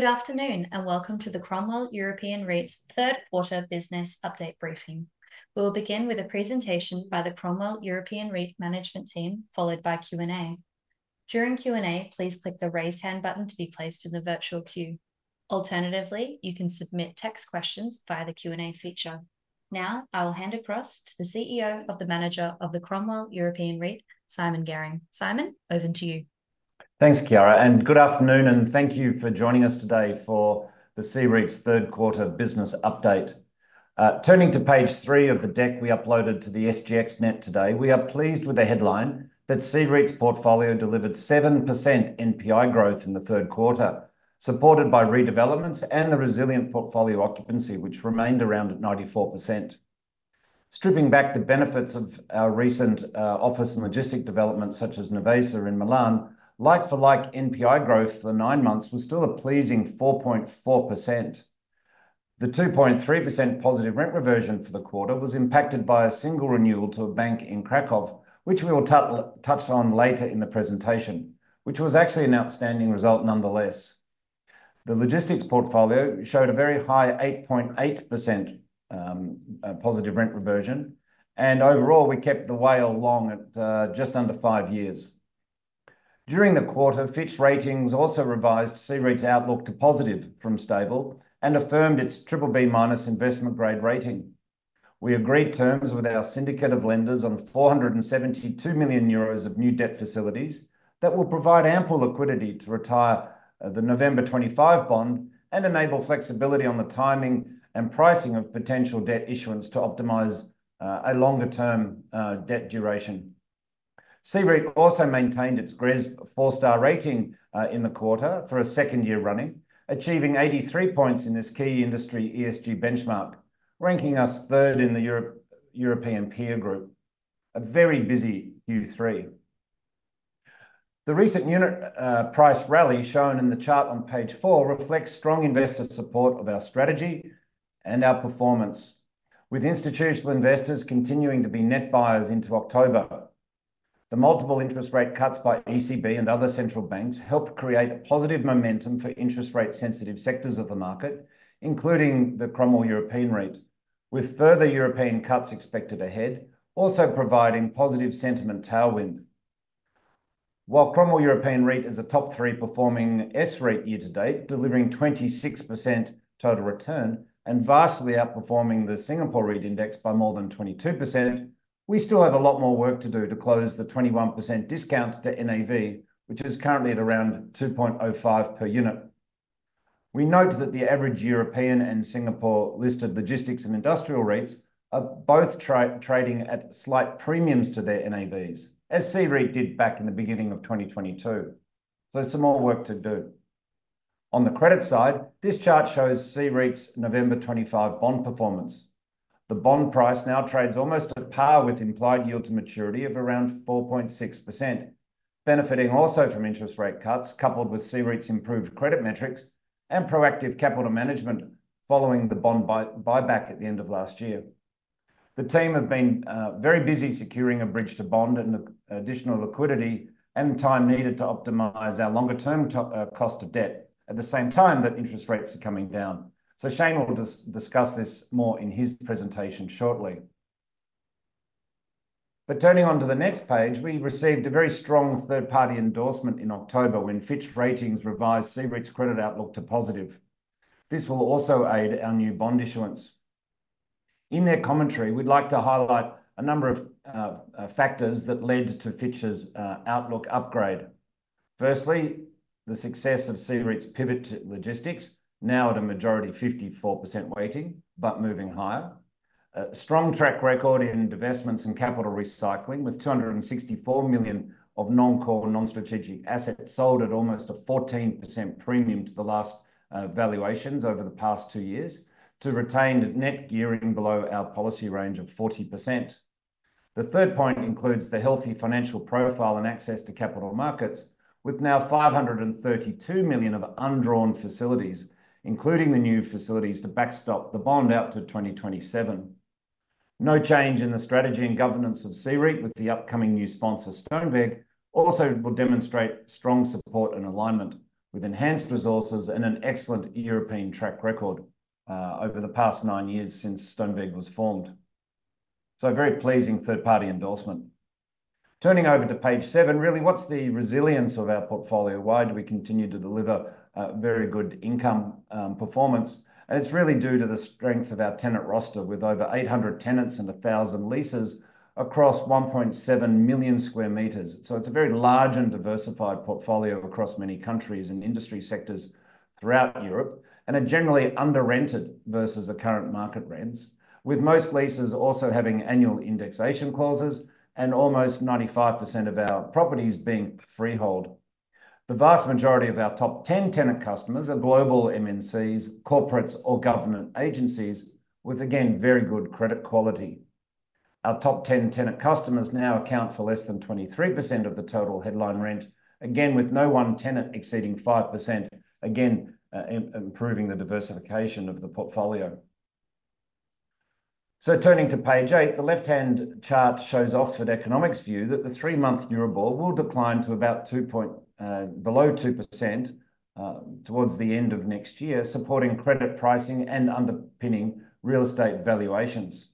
Good afternoon and welcome to the Cromwell European REIT's third quarter business update briefing. We will begin with a presentation by the Cromwell European REIT Management Team, followed by Q&A. During Q&A, please click the raise hand button to be placed in the virtual queue. Alternatively, you can submit text questions via the Q&A feature. Now I will hand across to the CEO of the manager of the Cromwell European REIT, Simon Garing. Simon, over to you. Thanks, Chiara, and good afternoon, and thank you for joining us today for the CREIT's third quarter business update. Turning to page three of the deck we uploaded to the SGXNet today, we are pleased with the headline that CREIT's portfolio delivered 7% NPI growth in the third quarter, supported by redevelopments and the resilient portfolio occupancy, which remained around 94%. Stripping back to benefits of our recent office and logistics development, such as Nervesa 21 in Milan, like-for-like NPI growth for nine months was still a pleasing 4.4%. The 2.3%+ rent reversion for the quarter was impacted by a single renewal to a bank in Kraków, which we will touch on later in the presentation, which was actually an outstanding result nonetheless. The logistics portfolio showed a very high 8.8%+ rent reversion, and overall we kept the WALE long at just under five years. During the quarter, Fitch Ratings also revised CREIT's outlook to positive from stable and affirmed its BBB- investment grade rating. We agreed terms with our syndicate of lenders on 472 million euros of new debt facilities that will provide ample liquidity to retire the November 25 bond and enable flexibility on the timing and pricing of potential debt issuance to optimize a longer term debt duration. CREIT also maintained its GRESB four star rating in the quarter for a second year running, achieving 83 points in this key industry ESG benchmark, ranking us third in the European peer group. A very busy Q3. The recent unit price rally shown in the chart on page four reflects strong investor support of our strategy and our performance, with institutional investors continuing to be net buyers into October. The multiple interest rate cuts by ECB and other central banks helped create a positive momentum for interest rate sensitive sectors of the market, including the Cromwell European REIT, with further European cuts expected ahead, also providing positive sentiment tailwind. While Cromwell European REIT is a top three performing S-REIT year to date, delivering 26% total return and vastly outperforming the Singapore REIT index by more than 22%, we still have a lot more work to do to close the 21% discount to NAV, which is currently at around 2.05 per unit. We note that the average European and Singapore listed logistics and industrial REITs are both trading at slight premiums to their NAVs, as CREIT did back in the beginning of 2022. So some more work to do. On the credit side, this chart shows CREIT's November 25 bond performance. The bond price now trades almost at par with implied yield to maturity of around 4.6%, benefiting also from interest rate cuts coupled with CREIT's improved credit metrics and proactive capital management following the bond buyback at the end of last year. The team have been very busy securing a bridge to bond and additional liquidity and time needed to optimize our longer term cost of debt at the same time that interest rates are coming down, so Shane will discuss this more in his presentation shortly, but turning to the next page, we received a very strong third-party endorsement in October when Fitch Ratings revised CREIT's credit outlook to positive. This will also aid our new bond issuance. In their commentary, we'd like to highlight a number of factors that led to Fitch's outlook upgrade. Firstly, the success of CREIT's pivot to logistics, now at a majority 54% weighting, but moving higher. A strong track record in divestments and capital recycling with 264 million of non-core, non-strategic assets sold at almost a 14% premium to the last valuations over the past two years to retain net gearing below our policy range of 40%. The third point includes the healthy financial profile and access to capital markets, with now 532 million of undrawn facilities, including the new facilities to backstop the bond out to 2027. No change in the strategy and governance of CREIT with the upcoming new sponsor, Stoneweg, also will demonstrate strong support and alignment with enhanced resources and an excellent European track record over the past nine years since Stoneweg was formed. So a very pleasing third party endorsement. Turning over to page seven, really, what's the resilience of our portfolio? Why do we continue to deliver very good income performance? And it's really due to the strength of our tenant roster with over 800 tenants and 1,000 leases across 1.7 million square meters. So it's a very large and diversified portfolio across many countries and industry sectors throughout Europe and are generally under-rented versus the current market rents, with most leases also having annual indexation clauses and almost 95% of our properties being freehold. The vast majority of our top 10 tenant customers are global MNCs, corporates, or government agencies with, again, very good credit quality. Our top 10 tenant customers now account for less than 23% of the total headline rent, again with no one tenant exceeding 5%, again improving the diversification of the portfolio. So turning to page eight, the left-hand chart shows Oxford Economics' view that the three-month Euribor will decline to about 2.0 below 2% towards the end of next year, supporting credit pricing and underpinning real estate valuations.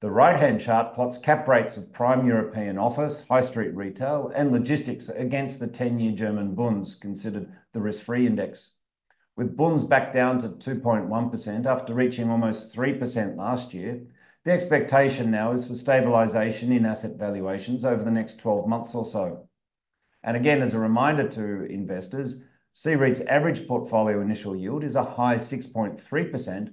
The right-hand chart plots cap rates of prime European office, high street retail, and logistics against the 10-year German Bunds, considered the risk-free index, with Bunds back down to 2.1% after reaching almost 3% last year. The expectation now is for stabilization in asset valuations over the next 12 months or so. And again, as a reminder to investors, CREIT's average portfolio initial yield is a high 6.3%,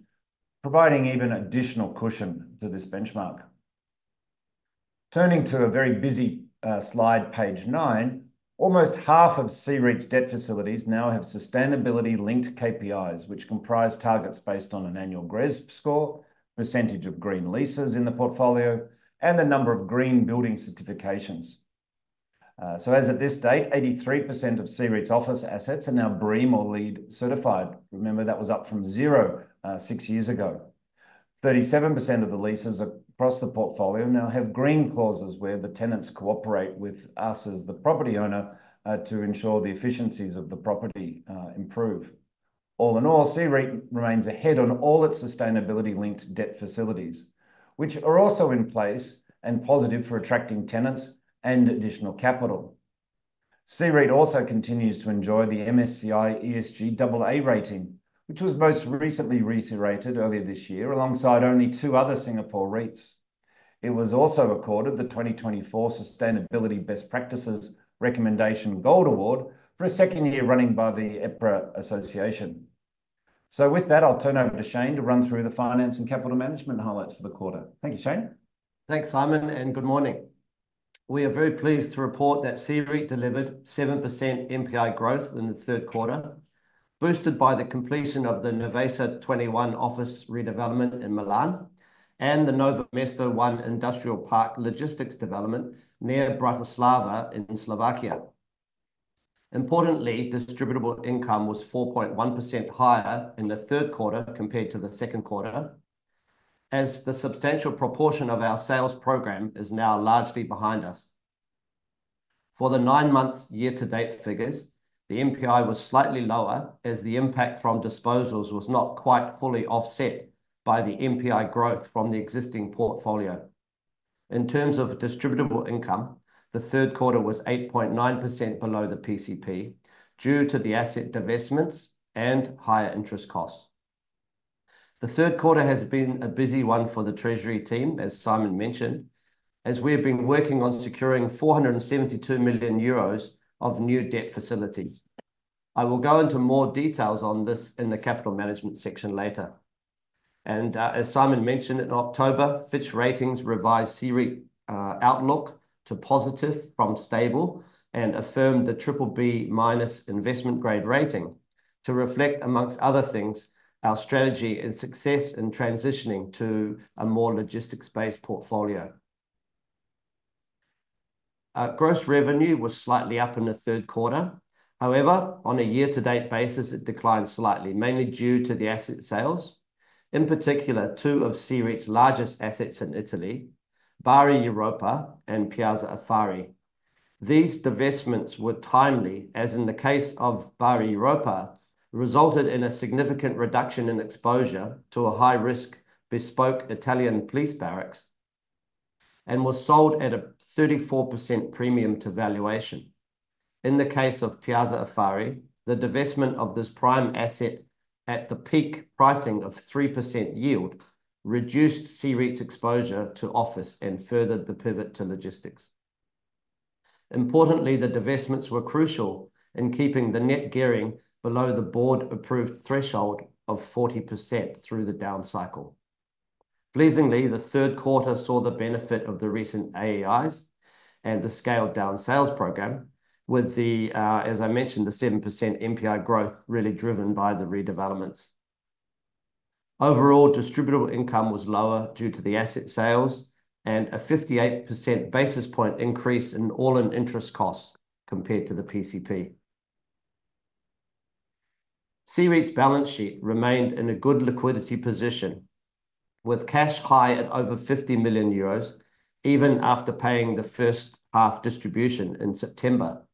providing even additional cushion to this benchmark. Turning to a very busy slide, page nine, almost half of CREIT's debt facilities now have sustainability linked KPIs, which comprise targets based on an annual GRESB score, percentage of green leases in the portfolio, and the number of green building certifications. So as of this date, 83% of CREIT's office assets are now BREEAM or LEED certified. Remember, that was up from zero six years ago. 37% of the leases across the portfolio now have green clauses where the tenants cooperate with us as the property owner to ensure the efficiencies of the property improve. All in all, CREIT remains ahead on all its sustainability linked debt facilities, which are also in place and positive for attracting tenants and additional capital. CREIT also continues to enjoy the MSCI ESG double A rating, which was most recently reiterated earlier this year alongside only two other Singapore REITs. It was also accorded the 2024 Sustainability Best Practices Recommendation Gold Award for a second year running by the EPRA Association, so with that, I'll turn over to Shane to run through the finance and capital management highlights for the quarter. Thank you, Shane. Thanks, Simon, and good morning. We are very pleased to report that CREIT delivered 7% NPI growth in the third quarter, boosted by the completion of the Nervesa 21 office redevelopment in Milan and the Nové Mesto One Industrial Park logistics development near Bratislava in Slovakia. Importantly, distributable income was 4.1% higher in the third quarter compared to the second quarter, as the substantial proportion of our sales program is now largely behind us. For the nine months year to date figures, the NPI was slightly lower as the impact from disposals was not quite fully offset by the NPI growth from the existing portfolio. In terms of distributable income, the third quarter was 8.9% below the PCP due to the asset divestments and higher interest costs. The third quarter has been a busy one for the treasury team, as Simon mentioned, as we have been working on securing €472 million of new debt facilities. I will go into more details on this in the capital management section later, and as Simon mentioned in October, Fitch Ratings revised CREIT outlook to positive from stable and affirmed the BBB- investment grade rating to reflect, among other things, our strategy and success in transitioning to a more logistics-based portfolio. Gross revenue was slightly up in the third quarter. However, on a year-to-date basis, it declined slightly, mainly due to the asset sales, in particular two of CREIT's largest assets in Italy, Bari Europa and Piazza Affari. These divestments were timely, as in the case of Bari Europa, resulted in a significant reduction in exposure to a high risk bespoke Italian police barracks and were sold at a 34% premium to valuation. In the case of Piazza Affari, the divestment of this prime asset at the peak pricing of 3% yield reduced the REIT's exposure to office and furthered the pivot to logistics. Importantly, the divestments were crucial in keeping the net gearing below the board approved threshold of 40% through the down cycle. Pleasingly, the third quarter saw the benefit of the recent AEIs and the scaled down sales program, with, as I mentioned, the 7% NPI growth really driven by the redevelopments. Overall, distributable income was lower due to the asset sales and a 58 basis point increase in all in interest costs compared to the PCP. CREIT's balance sheet remained in a good liquidity position, with cash high at over 50 million euros even after paying the first half distribution in September.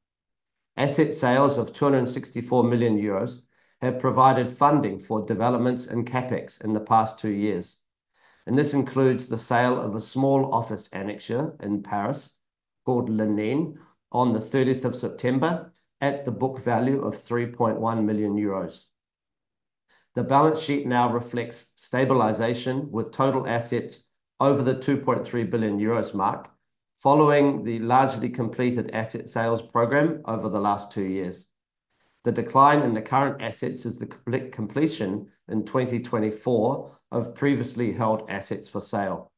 Asset sales of 264 million euros have provided funding for developments and CapEx in the past two years, and this includes the sale of a small office annexure in Paris called Lénine on the 30th of September at the book value of 3.1 million euros. The balance sheet now reflects stabilization with total assets over the €2.3 billion mark, following the largely completed asset sales program over the last two years. The decline in the current assets is the complete completion in 2024 of previously held assets for sale.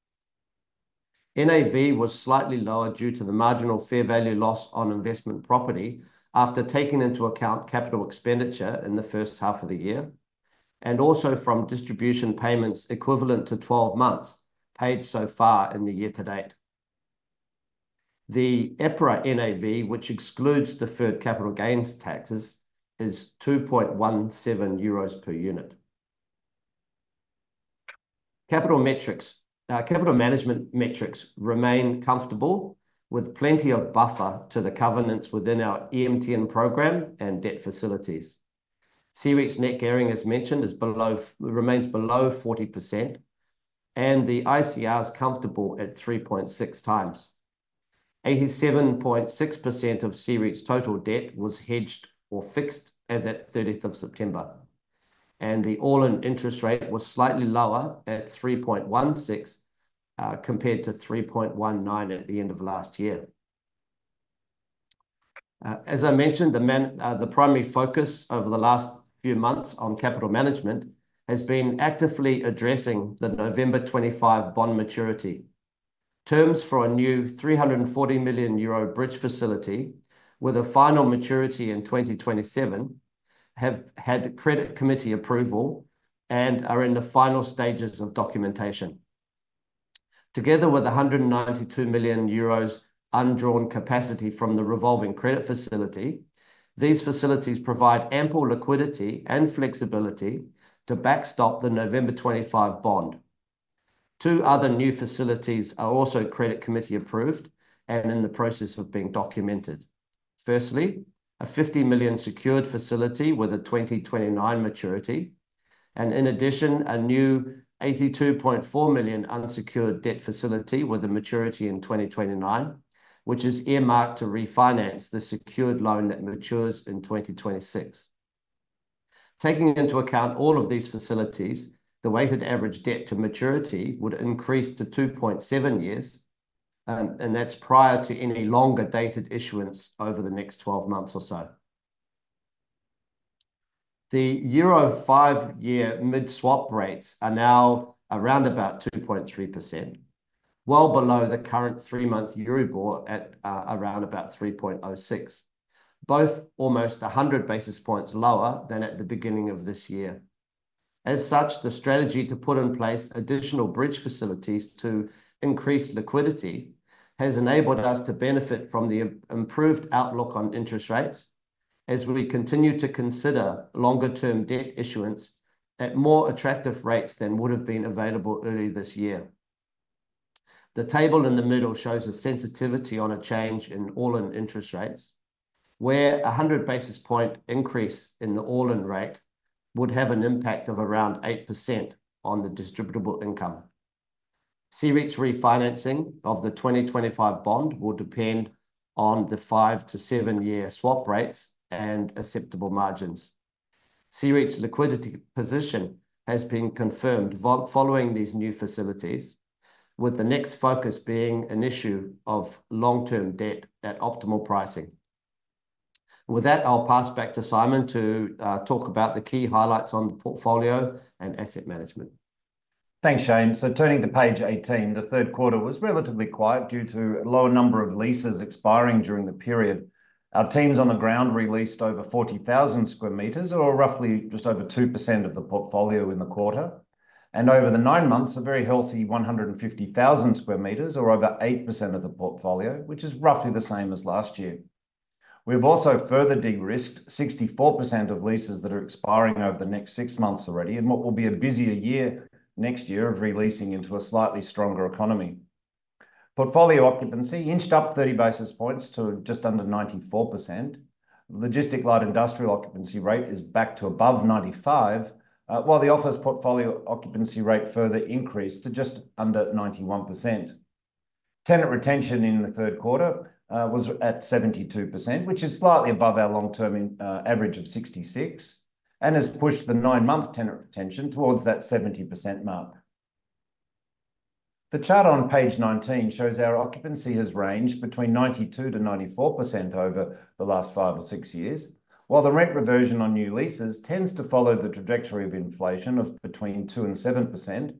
NAV was slightly lower due to the marginal fair value loss on investment property after taking into account capital expenditure in the first half of the year and also from distribution payments equivalent to 12 months paid so far in the year to date. The EPRA NAV, which excludes deferred capital gains taxes, is 2.17 euros per unit. Capital metrics, our capital management metrics remain comfortable with plenty of buffer to the covenants within our EMTN program and debt facilities. CREIT's net gearing, as mentioned, is below, remains below 40%, and the ICR is comfortable at 3.6x. 87.6% of CREIT's total debt was hedged or fixed as at 30th of September, and the all in interest rate was slightly lower at 3.16 compared to 3.19 at the end of last year. As I mentioned, the primary focus over the last few months on capital management has been actively addressing the November 25 bond maturity. Terms for a new 340 million euro bridge facility with a final maturity in 2027 have had credit committee approval and are in the final stages of documentation. Together with 192 million euros undrawn capacity from the revolving credit facility, these facilities provide ample liquidity and flexibility to backstop the November 25 bond. Two other new facilities are also credit committee approved and in the process of being documented. Firstly, a 50 million secured facility with a 2029 maturity, and in addition, a new 82.4 million unsecured debt facility with a maturity in 2029, which is earmarked to refinance the secured loan that matures in 2026. Taking into account all of these facilities, the weighted average debt to maturity would increase to 2.7 years, and that's prior to any longer dated issuance over the next 12 months or so. The euro 5-year mid-swap rates are now around about 2.3%, well below the current three-month Euribor at around about 3.06%, both almost 100 basis points lower than at the beginning of this year. As such, the strategy to put in place additional bridge facilities to increase liquidity has enabled us to benefit from the improved outlook on interest rates as we continue to consider longer term debt issuance at more attractive rates than would have been available early this year. The table in the middle shows a sensitivity on a change in all-in interest rates, where a 100 basis points increase in the all-in rate would have an impact of around 8% on the distributable income. CREIT's refinancing of the 2025 bond will depend on the five- to seven-year swap rates and acceptable margins. CREIT's liquidity position has been confirmed following these new facilities, with the next focus being an issue of long-term debt at optimal pricing. With that, I'll pass back to Simon to talk about the key highlights on the portfolio and asset management. Thanks, Shane. So turning to page 18, the third quarter was relatively quiet due to a lower number of leases expiring during the period. Our teams on the ground released over 40,000 square meters, or roughly just over 2% of the portfolio in the quarter, and over the nine months, a very healthy 150,000 square meters, or over 8% of the portfolio, which is roughly the same as last year. We've also further de-risked 64% of leases that are expiring over the next six months already, and what will be a busier year next year of releasing into a slightly stronger economy. Portfolio occupancy inched up 30 basis points to just under 94%. Logistics light industrial occupancy rate is back to above 95%, while the office portfolio occupancy rate further increased to just under 91%. Tenant retention in the third quarter was at 72%, which is slightly above our long-term average of 66%, and has pushed the nine-month tenant retention towards that 70% mark. The chart on page 19 shows our occupancy has ranged between 92%-94% over the last five or six years, while the rent reversion on new leases tends to follow the trajectory of inflation of between 2%-7%,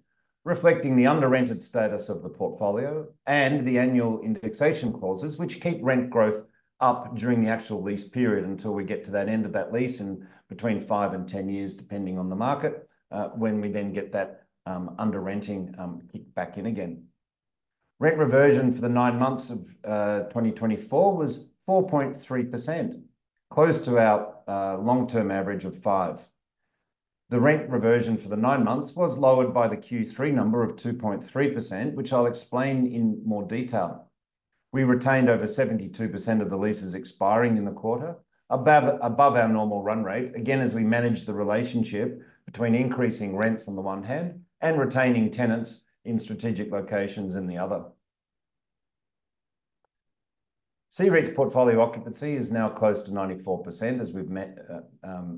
reflecting the under rented status of the portfolio and the annual indexation clauses, which keep rent growth up during the actual lease period until we get to that end of that lease in between five and 10 years, depending on the market, when we then get that under renting kicked back in again. Rent reversion for the nine months of 2024 was 4.3%, close to our long-term average of 5%. The rent reversion for the nine months was lowered by the Q3 number of 2.3%, which I'll explain in more detail. We retained over 72% of the leases expiring in the quarter above our normal run rate, again as we manage the relationship between increasing rents on the one hand and retaining tenants in strategic locations on the other. CREIT's portfolio occupancy is now close to 94%, as we've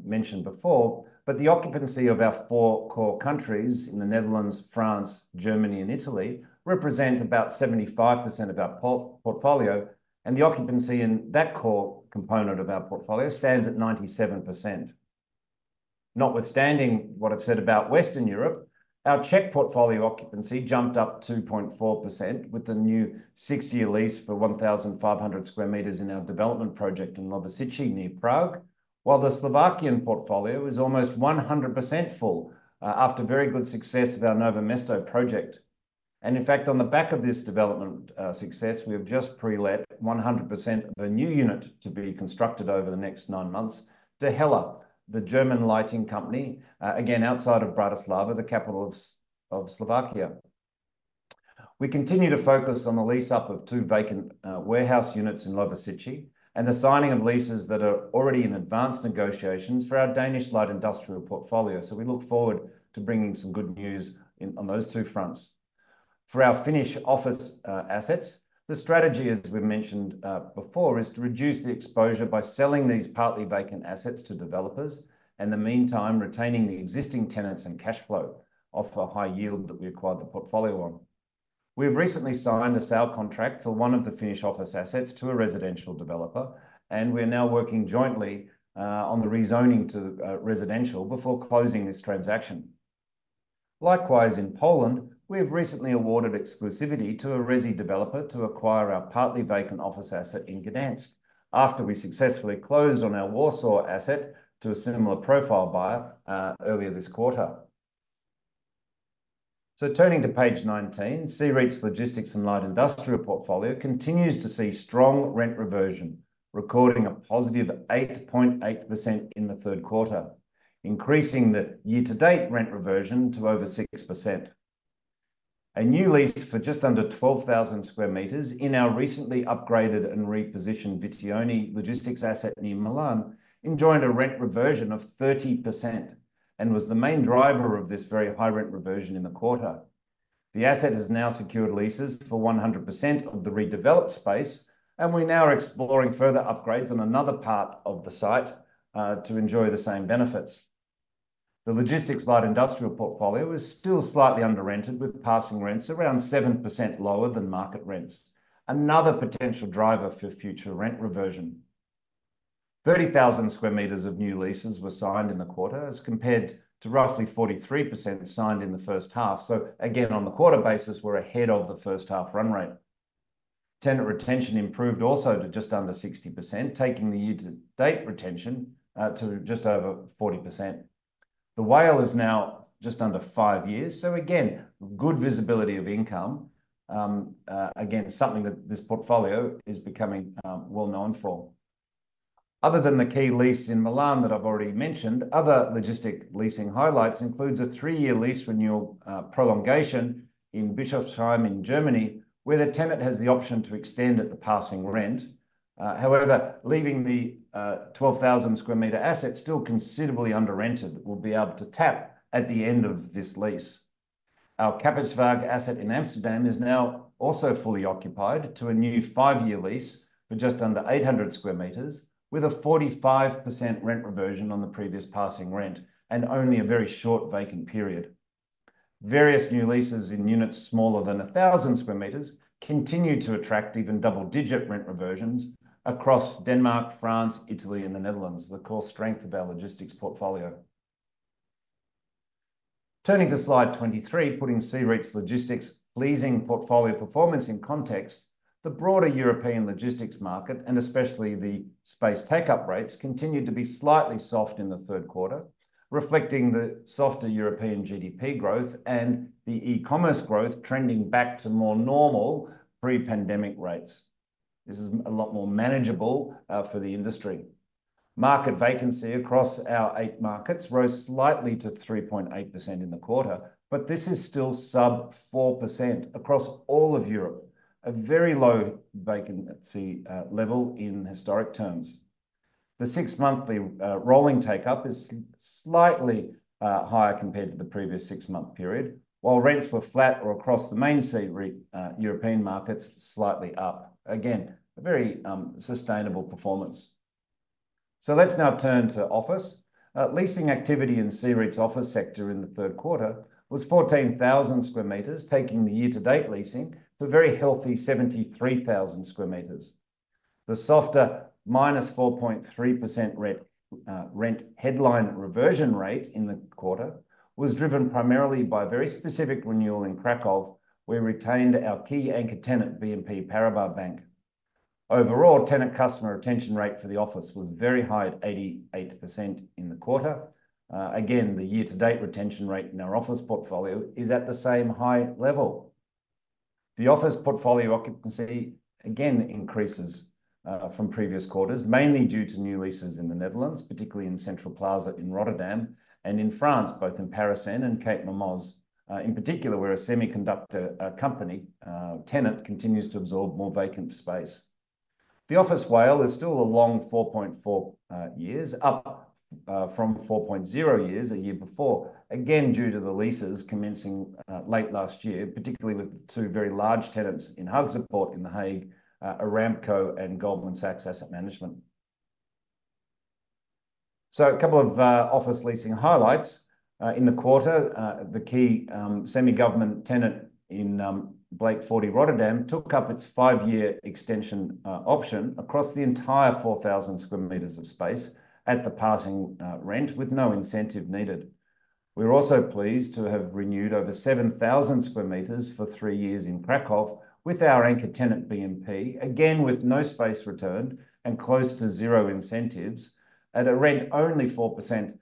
mentioned before, but the occupancy of our four core countries in the Netherlands, France, Germany, and Italy represents about 75% of our portfolio, and the occupancy in that core component of our portfolio stands at 97%. Notwithstanding what I've said about Western Europe, our Czech portfolio occupancy jumped up 2.4% with the new six-year lease for 1,500 square meters in our development project in Lovosice near Prague, while the Slovakian portfolio is almost 100% full after very good success of our Nové Mesto project. And in fact, on the back of this development success, we have just pre-let 100% of a new unit to be constructed over the next nine months to HELLA, the German lighting company, again outside of Bratislava, the capital of Slovakia. We continue to focus on the lease up of two vacant warehouse units in Lovosice and the signing of leases that are already in advanced negotiations for our Danish light industrial portfolio. So we look forward to bringing some good news on those two fronts. For our Finnish office assets, the strategy, as we've mentioned before, is to reduce the exposure by selling these partly vacant assets to developers and, in the meantime, retaining the existing tenants and cash flow off a high yield that we acquired the portfolio on. We've recently signed a sale contract for one of the Finnish office assets to a residential developer, and we are now working jointly on the rezoning to residential before closing this transaction. Likewise, in Poland, we have recently awarded exclusivity to a Resi developer to acquire our partly vacant office asset in Gdańsk after we successfully closed on our Warsaw asset to a similar profile buyer earlier this quarter. So turning to page 19, Cromwell European REIT's logistics and light industrial portfolio continues to see strong rent reversion, recording a positive 8.8% in the third quarter, increasing the year to date rent reversion to over 6%. A new lease for just under 12,000 square meters in our recently upgraded and repositioned Vittuone logistics asset near Milan enjoyed a rent reversion of 30% and was the main driver of this very high rent reversion in the quarter. The asset has now secured leases for 100% of the redeveloped space, and we now are exploring further upgrades on another part of the site to enjoy the same benefits. The logistics light industrial portfolio is still slightly under rented, with passing rents around 7% lower than market rents, another potential driver for future rent reversion. 30,000 square meters of new leases were signed in the quarter, as compared to roughly 43% signed in the first half. So again, on the quarter basis, we're ahead of the first half run rate. Tenant retention improved also to just under 60%, taking the year to date retention to just over 40%. The WALE is now just under five years. Again, good visibility of income, again, something that this portfolio is becoming well known for. Other than the key lease in Milan that I've already mentioned, other logistics leasing highlights include a three-year lease renewal prolongation in Bischofsheim in Germany, where the tenant has the option to extend at the passing rent. However, leaving the 12,000 square meters asset still considerably under-rented, we will be able to tap at the end of this lease. Our Kapoeasweg asset in Amsterdam is now also fully occupied to a new five-year lease for just under 800 square meters, with a 45% rent reversion on the previous passing rent and only a very short vacant period. Various new leases in units smaller than 1,000 square meters continue to attract even double digit rent reversions across Denmark, France, Italy, and the Netherlands, the core strength of our logistics portfolio. Turning to slide 23, putting CREIT's logistics leasing portfolio performance in context, the broader European logistics market and especially the space take up rates continued to be slightly soft in the third quarter, reflecting the softer European GDP growth and the e-commerce growth trending back to more normal pre-pandemic rates. This is a lot more manageable for the industry. Market vacancy across our eight markets rose slightly to 3.8% in the quarter, but this is still sub 4% across all of Europe, a very low vacancy level in historic terms. The six monthly rolling take up is slightly higher compared to the previous six month period, while rents were flat or across the main CREIT European markets slightly up. Again, a very sustainable performance. So let's now turn to office. Leasing activity in CREITs office sector in the third quarter was 14,000 square meters, taking the year to date leasing to a very healthy 73,000 square meters. The softer minus 4.3% rent headline reversion rate in the quarter was driven primarily by very specific renewal in Krakow, where we retained our key anchor tenant, BNP Paribas. Overall, tenant customer retention rate for the office was very high at 88% in the quarter. Again, the year to date retention rate in our office portfolio is at the same high level. The office portfolio occupancy again increases from previous quarters, mainly due to new leases in the Netherlands, particularly in Central Plaza in Rotterdam and in France, both in Paris and in Cap Mermoz in particular, where a semiconductor company tenant continues to absorb more vacant space. The office WALE is still a long 4.4 years, up from 4.0 years a year before, again due to the leases commencing late last year, particularly with two very large tenants in Haagsche Poort in The Hague, Aramco and Goldman Sachs Asset Management. So a couple of office leasing highlights in the quarter. The key semi-government tenant in Blaak 40, Rotterdam, took up its five-year extension option across the entire 4,000 square meters of space at the passing rent with no incentive needed. We're also pleased to have renewed over 7,000 square meters for three years in Kraków with our anchor tenant, BNP, again with no space returned and close to zero incentives at a rent only 4%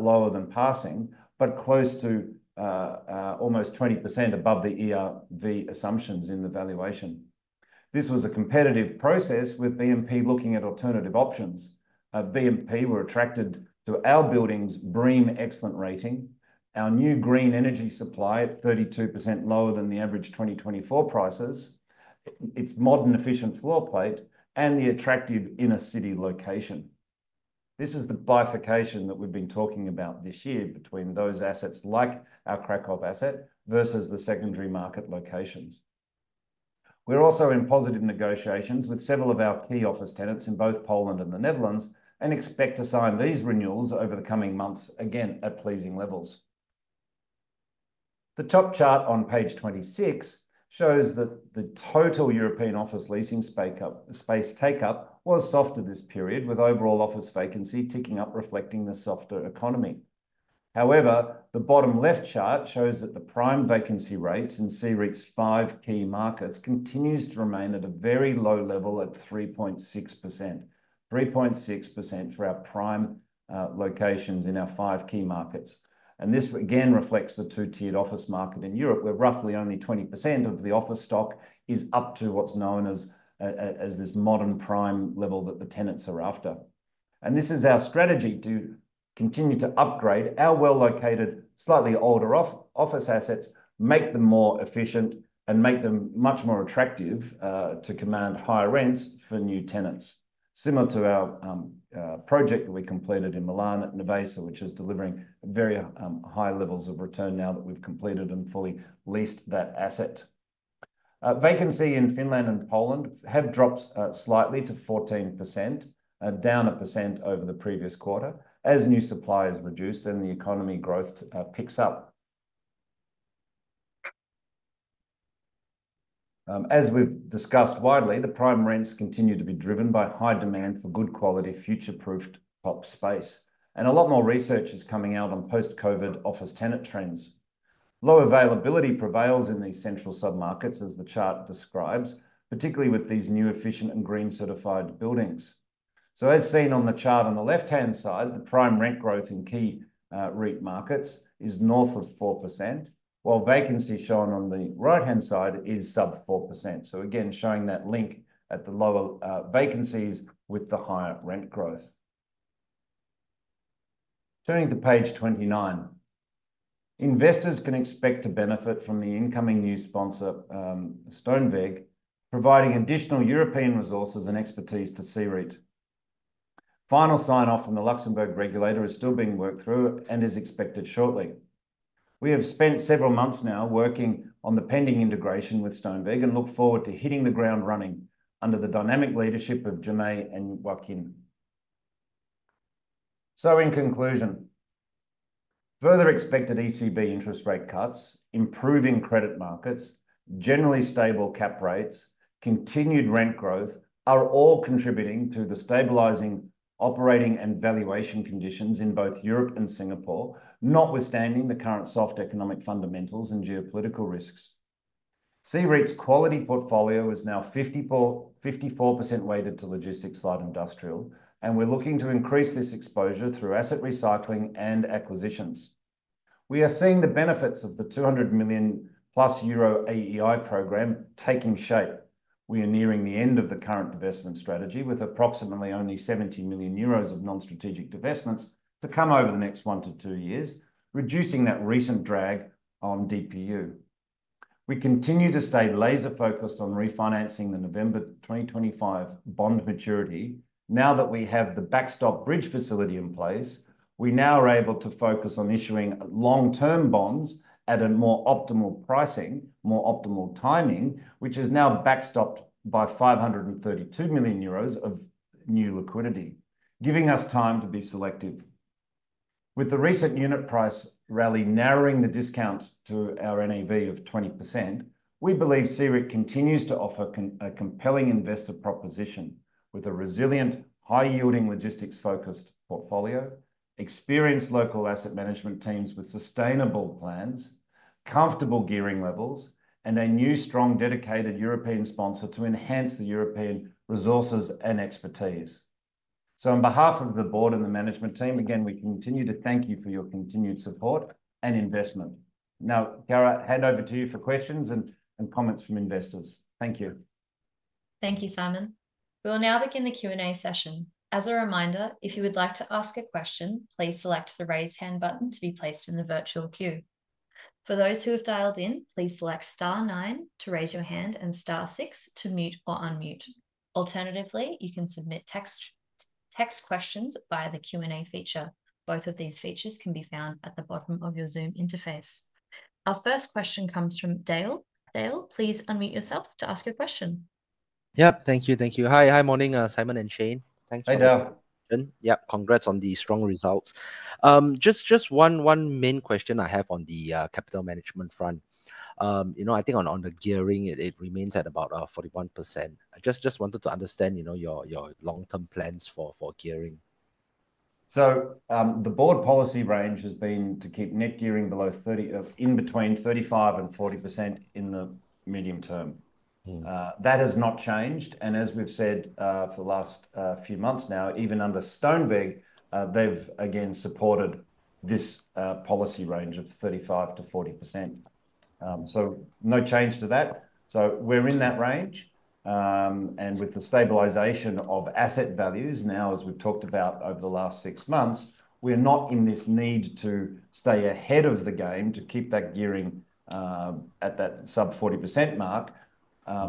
lower than passing, but close to almost 20% above the ERV assumptions in the valuation. This was a competitive process with BNP looking at alternative options. BNP were attracted to our building's BREEAM excellent rating, our new green energy supply at 32% lower than the average 2024 prices, its modern efficient floor plate, and the attractive inner city location. This is the bifurcation that we've been talking about this year between those assets like our Kraków asset versus the secondary market locations. We're also in positive negotiations with several of our key office tenants in both Poland and the Netherlands and expect to sign these renewals over the coming months again at pleasing levels. The top chart on page 26 shows that the total European office leasing space take up was soft at this period, with overall office vacancy ticking up, reflecting the softer economy. However, the bottom left chart shows that the prime vacancy rates in the REIT's five key markets continue to remain at a very low level at 3.6%, 3.6% for our prime locations in our five key markets, and this again reflects the two-tiered office market in Europe, where roughly only 20% of the office stock is up to what's known as this modern prime level that the tenants are after. This is our strategy to continue to upgrade our well located, slightly older office assets, make them more efficient, and make them much more attractive to command higher rents for new tenants, similar to our project that we completed in Milan at Nervesa 21, which is delivering very high levels of return now that we've completed and fully leased that asset. Vacancy in Finland and Poland have dropped slightly to 14%, down 1% over the previous quarter as new supply has reduced and the economic growth picks up. As we've discussed widely, the prime rents continue to be driven by high demand for good quality future-proofed top space, and a lot more research is coming out on post-COVID office tenant trends. Low availability prevails in these central submarkets, as the chart describes, particularly with these new efficient and green-certified buildings. As seen on the chart on the left hand side, the prime rent growth in key REIT markets is north of 4%, while vacancy shown on the right hand side is sub 4%. Again, showing that link at the lower vacancies with the higher rent growth. Turning to page 29, investors can expect to benefit from the incoming new sponsor, Stoneweg, providing additional European resources and expertise to CREIT. Final sign off from the Luxembourg regulator is still being worked through and is expected shortly. We have spent several months now working on the pending integration with Stoneweg and look forward to hitting the ground running under the dynamic leadership of Jaume and Joaquin. So, in conclusion, further expected ECB interest rate cuts, improving credit markets, generally stable cap rates, continued rent growth are all contributing to the stabilizing operating and valuation conditions in both Europe and Singapore, notwithstanding the current soft economic fundamentals and geopolitical risks. The REIT's quality portfolio is now 54% weighted to logistics light industrial, and we're looking to increase this exposure through asset recycling and acquisitions. We are seeing the benefits of the 200 million euro+ AEI program taking shape. We are nearing the end of the current investment strategy with approximately only 70 million euros of non-strategic investments to come over the next one-to-two years, reducing that recent drag on DPU. We continue to stay laser focused on refinancing the November 2025 bond maturity. Now that we have the backstop bridge facility in place, we now are able to focus on issuing long term bonds at a more optimal pricing, more optimal timing, which is now backstopped by 532 million euros of new liquidity, giving us time to be selective. With the recent unit price rally narrowing the discount to our NAV of 20%, we believe CREIT continues to offer a compelling investor proposition with a resilient, high yielding logistics focused portfolio, experienced local asset management teams with sustainable plans, comfortable gearing levels, and a new strong dedicated European sponsor to enhance the European resources and expertise. So, on behalf of the board and the management team, again, we continue to thank you for your continued support and investment. Now, Chiara, hand over to you for questions and comments from investors. Thank you. Thank you, Simon. We'll now begin the Q&A session. As a reminder, if you would like to ask a question, please select the raise hand button to be placed in the virtual queue. For those who have dialed in, please select star nine to raise your hand and star six to mute or unmute. Alternatively, you can submit text questions via the Q&A feature. Both of these features can be found at the bottom of your Zoom interface. Our first question comes from Dale. Dale, please unmute yourself to ask your question. Yep, thank you. Thank you. Hi, morning, Simon and Shane. Thanks for the question. Yep, congrats on the strong results. Just one main question I have on the capital management front. You know, I think on the gearing, it remains at about 41%. I just wanted to understand, you know, your long-term plans for gearing. The board policy range has been to keep net gearing below 30%, in between 35%-40% in the medium term. That has not changed. And as we've said for the last few months now, even under Stoneweg, they've again supported this policy range of 35%-40%. So, no change to that. So, we're in that range. And with the stabilization of asset values now, as we've talked about over the last six months, we're not in this need to stay ahead of the game to keep that gearing at that sub 40% mark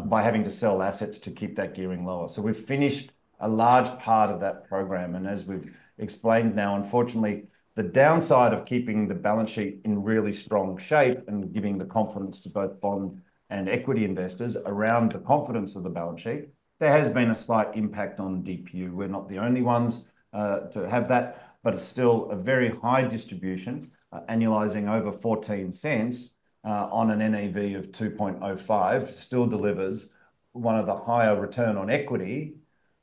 by having to sell assets to keep that gearing lower. So, we've finished a large part of that program. As we've explained now, unfortunately, the downside of keeping the balance sheet in really strong shape and giving the confidence to both bond and equity investors around the confidence of the balance sheet, there has been a slight impact on DPU. We're not the only ones to have that, but it's still a very high distribution, annualizing over S$0.14 on an NAV of S$2.05, still delivers one of the higher return on equity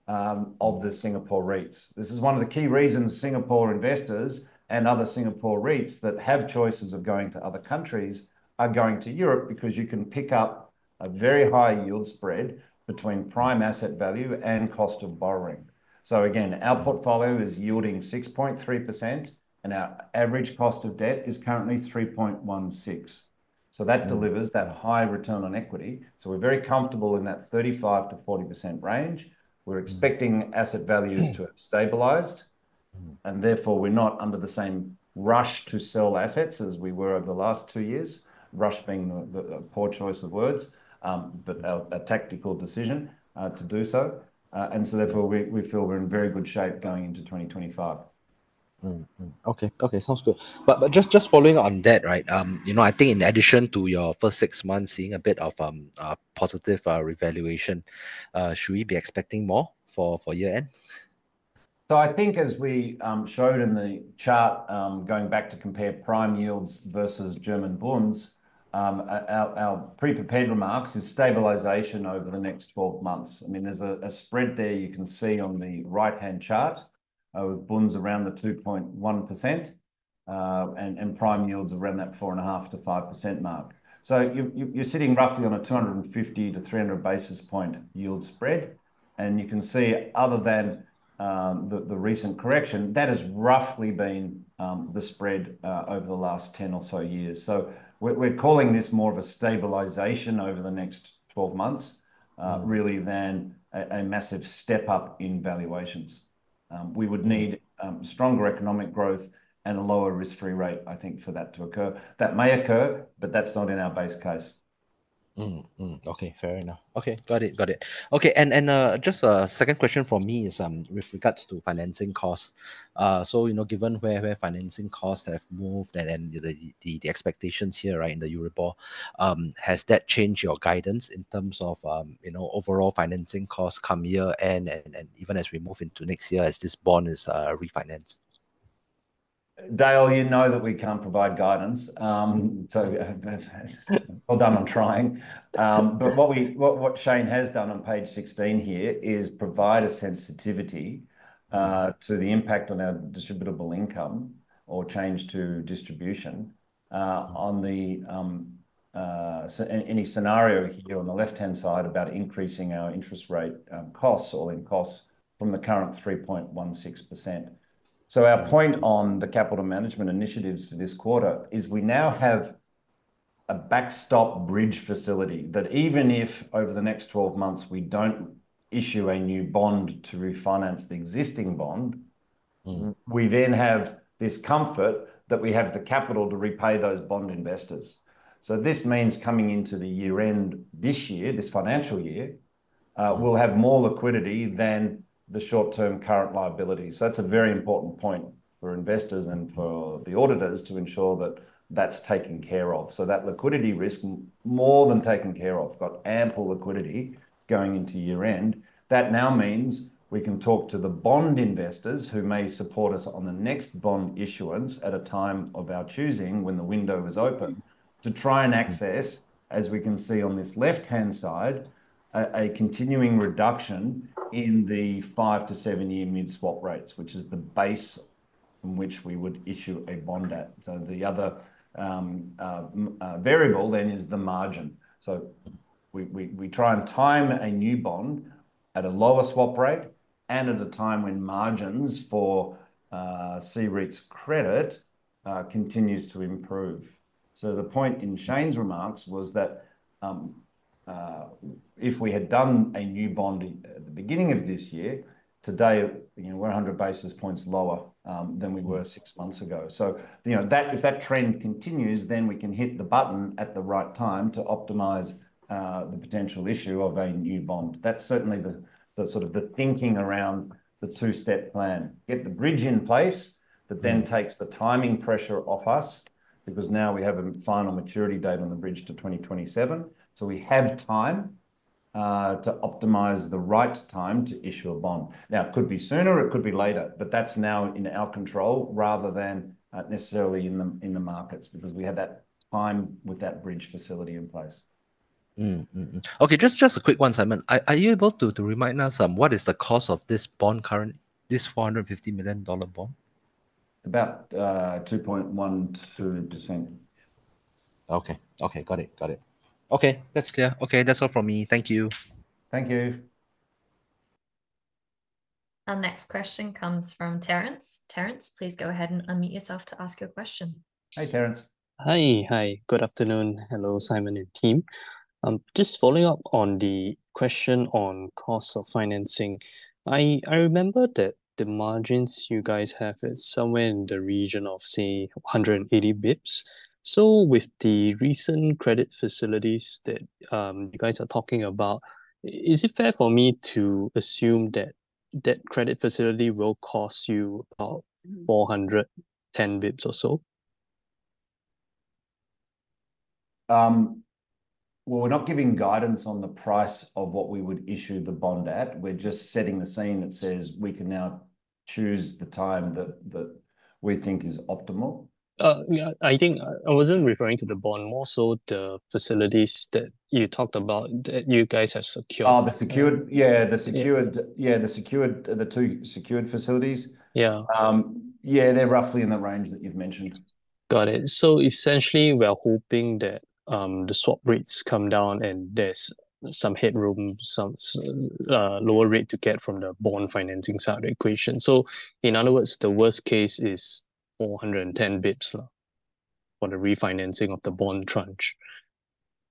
of the Singapore REITs. This is one of the key reasons Singapore investors and other Singapore REITs that have choices of going to other countries are going to Europe because you can pick up a very high yield spread between prime asset value and cost of borrowing. Again, our portfolio is yielding 6.3% and our average cost of debt is currently 3.16%. That delivers that high return on equity. So, we're very comfortable in that 35%-40% range. We're expecting asset values to have stabilized and therefore we're not under the same rush to sell assets as we were over the last two years, rush being the poor choice of words, but a tactical decision to do so. And so, therefore, we feel we're in very good shape going into 2025. Okay, okay, sounds good. But just following on that, right, you know, I think in addition to your first six months seeing a bit of positive revaluation, should we be expecting more for year-end? So, I think as we showed in the chart, going back to compare prime yields versus German bonds, our pre-prepared remarks is stabilization over the next 12 months. I mean, there's a spread there you can see on the right-hand chart with bonds around the 2.1% and prime yields around that 4.5%-5% mark. So, you're sitting roughly on a 250-300 basis point yield spread. And you can see other than the recent correction, that has roughly been the spread over the last 10 or so years. So, we're calling this more of a stabilization over the next 12 months, really than a massive step up in valuations. We would need stronger economic growth and a lower risk-free rate, I think, for that to occur. That may occur, but that's not in our base case. Okay, fair enough. Okay, got it, got it. Okay, and just a second question for me is with regards to financing costs. So, you know, given where financing costs have moved and the expectations here, right, in the Euribor, has that changed your guidance in terms of, you know, overall financing costs come year end and even as we move into next year as this bond is refinanced? Dale, you know that we can't provide guidance. So, well done, I'm trying. But what Shane has done on page 16 here is provide a sensitivity to the impact on our distributable income or change to distribution on any scenario here on the left hand side about increasing our interest rate costs or in costs from the current 3.16%. So, our point on the capital management initiatives for this quarter is we now have a backstop bridge facility that even if over the next 12 months we don't issue a new bond to refinance the existing bond, we then have this comfort that we have the capital to repay those bond investors. So, this means coming into the year end this year, this financial year, we'll have more liquidity than the short term current liability. So, that's a very important point for investors and for the auditors to ensure that that's taken care of. So, that liquidity risk, more than taken care of, got ample liquidity going into year end. That now means we can talk to the bond investors who may support us on the next bond issuance at a time of our choosing when the window is open to try and access, as we can see on this left hand side, a continuing reduction in the five to seven year mid-swap rates, which is the base from which we would issue a bond at. So, the other variable then is the margin. So, we try and time a new bond at a lower swap rate and at a time when margins for CREIT's credit continues to improve. So, the point in Shane's remarks was that if we had done a new bond at the beginning of this year, today, you know, we're 100 basis points lower than we were six months ago. You know that if that trend continues, then we can hit the button at the right time to optimize the potential issue of a new bond. That's certainly sort of the thinking around the two step plan. Get the bridge in place, but then takes the timing pressure off us because now we have a final maturity date on the bridge to 2027. We have time to optimize the right time to issue a bond. Now, it could be sooner, it could be later, but that's now in our control rather than necessarily in the markets because we have that time with that bridge facility in place. Okay, just a quick one, Simon. Are you able to remind us what is the cost of this bond current, this $450 million bond? About 2.12%. Okay, okay, got it, got it. Okay, that's clear. Okay, that's all from me. Thank you. Thank you. Our next question comes from Terrence. Terrence, please go ahead and unmute yourself to ask your question. Hey, Terrence. Hi, hi, good afternoon. Hello, Simon and team. I'm just following up on the question on cost of financing. I remember that the margins you guys have is somewhere in the region of, say, 180 basis points. So, with the recent credit facilities that you guys are talking about, is it fair for me to assume that credit facility will cost you about 410 basis points or so? Well, we're not giving guidance on the price of what we would issue the bond at. We're just setting the scene that says we can now choose the time that we think is optimal. Yeah, I think I wasn't referring to the bond, more so the facilities that you talked about that you guys have secured. Oh, the secured, yeah, the two secured facilities. Yeah. Yeah, they're roughly in the range that you've mentioned. Got it. So, essentially, we're hoping that the swap rates come down and there's some headroom, some lower rate to get from the bond financing side of the equation. So, in other words, the worst case is 410 basis points for the refinancing of the bond tranche.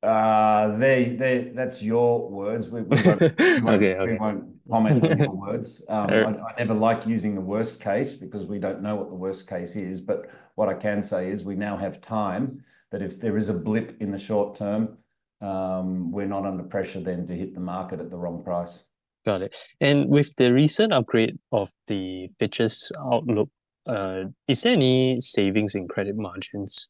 That's your words. We won't comment on your words. I never like using the worst case because we don't know what the worst case is. But what I can say is we now have time that if there is a blip in the short term, we're not under pressure then to hit the market at the wrong price. Got it. And with the recent upgrade of the Fitch's Outlook, is there any savings in credit margins?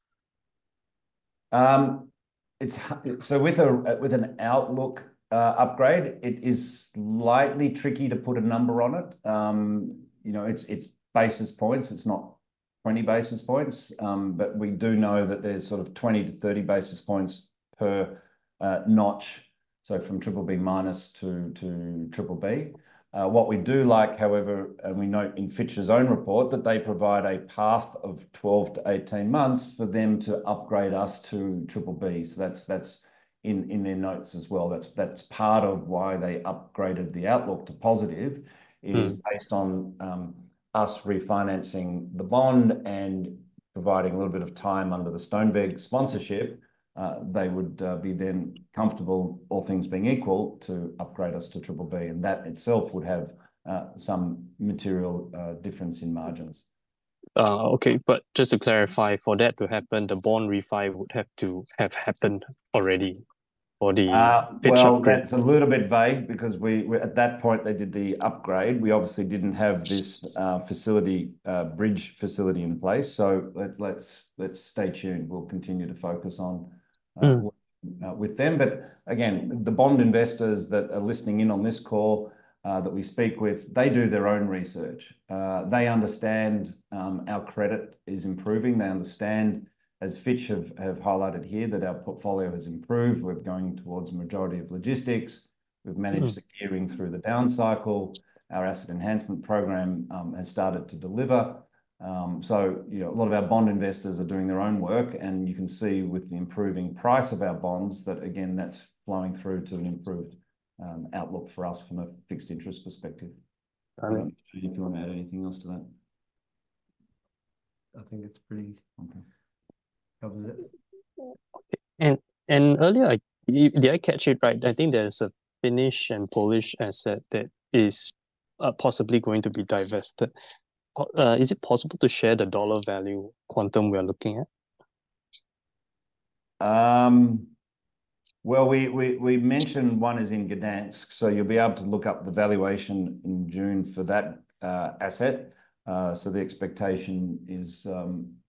It's so with an Outlook upgrade, it is slightly tricky to put a number on it. You know, it's basis points. It's not 20 basis points, but we do know that there's sort of 20 to 30 basis points per notch. So, from BBB- to BBB. What we do like, however, and we note in Fitch's own report that they provide a path of 12 to 18 months for them to upgrade us to BBB. So, that's in their notes as well. That's part of why they upgraded the Outlook to positive is based on us refinancing the bond and providing a little bit of time under the Stoneweg sponsorship. They would be then comfortable, all things being equal, to upgrade us to BBB. And that itself would have some material difference in margins. Okay, but just to clarify, for that to happen, the bond refinance would have to have happened already for the Fitch's Outlook. It's a little bit vague because we at that point, they did the upgrade. We obviously didn't have this facility, bridge facility in place. So, let's stay tuned. We'll continue to focus on with them. But again, the bond investors that are listening in on this call that we speak with, they do their own research. They understand our credit is improving. They understand, as Fitch have highlighted here, that our portfolio has improved. We're going towards majority of logistics. We've managed the gearing through the down cycle. Our asset enhancement program has started to deliver. So, you know, a lot of our bond investors are doing their own work. And you can see with the improving price of our bonds that, again, that's flowing through to an improved outlook for us from a fixed interest perspective. I mean, if you want to add anything else to that. I think it's pretty easy. And earlier, did I catch it right? I think there's a Finnish and Polish asset that is possibly going to be divested. Is it possible to share the dollar value quantum we're looking at? Well, we mentioned one is in Gdańsk. So, you'll be able to look up the valuation in June for that asset. The expectation is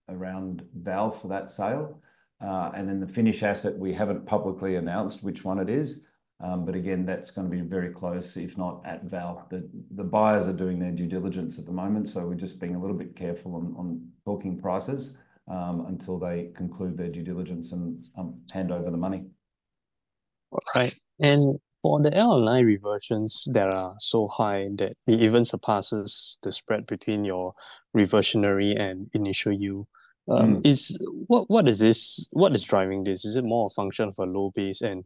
around Val for that sale. And then the Finnish asset, we haven't publicly announced which one it is. But again, that's going to be very close, if not at Val. The buyers are doing their due diligence at the moment. So, we're just being a little bit careful on talking prices until they conclude their due diligence and hand over the money. All right. And for the L&I reversions that are so high that it even surpasses the spread between your reversionary and initial yield. What is this? What is driving this? Is it more a function of a low base? And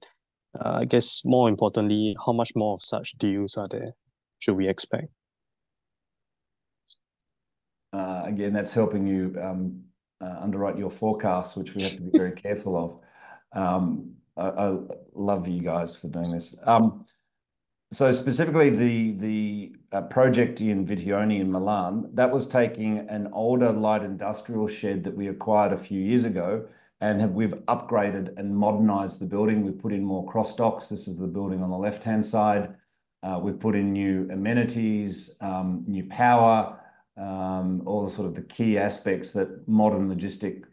I guess more importantly, how much more of such deals are there? Should we expect? Again, that's helping you underwrite your forecasts, which we have to be very careful of. I love you guys for doing this. So, specifically the project in Vittuone in Milan, that was taking an older light industrial shed that we acquired a few years ago and we've upgraded and modernized the building. We've put in more cross docks. This is the building on the left-hand side. We've put in new amenities, new power, all the sort of key aspects that modern logistics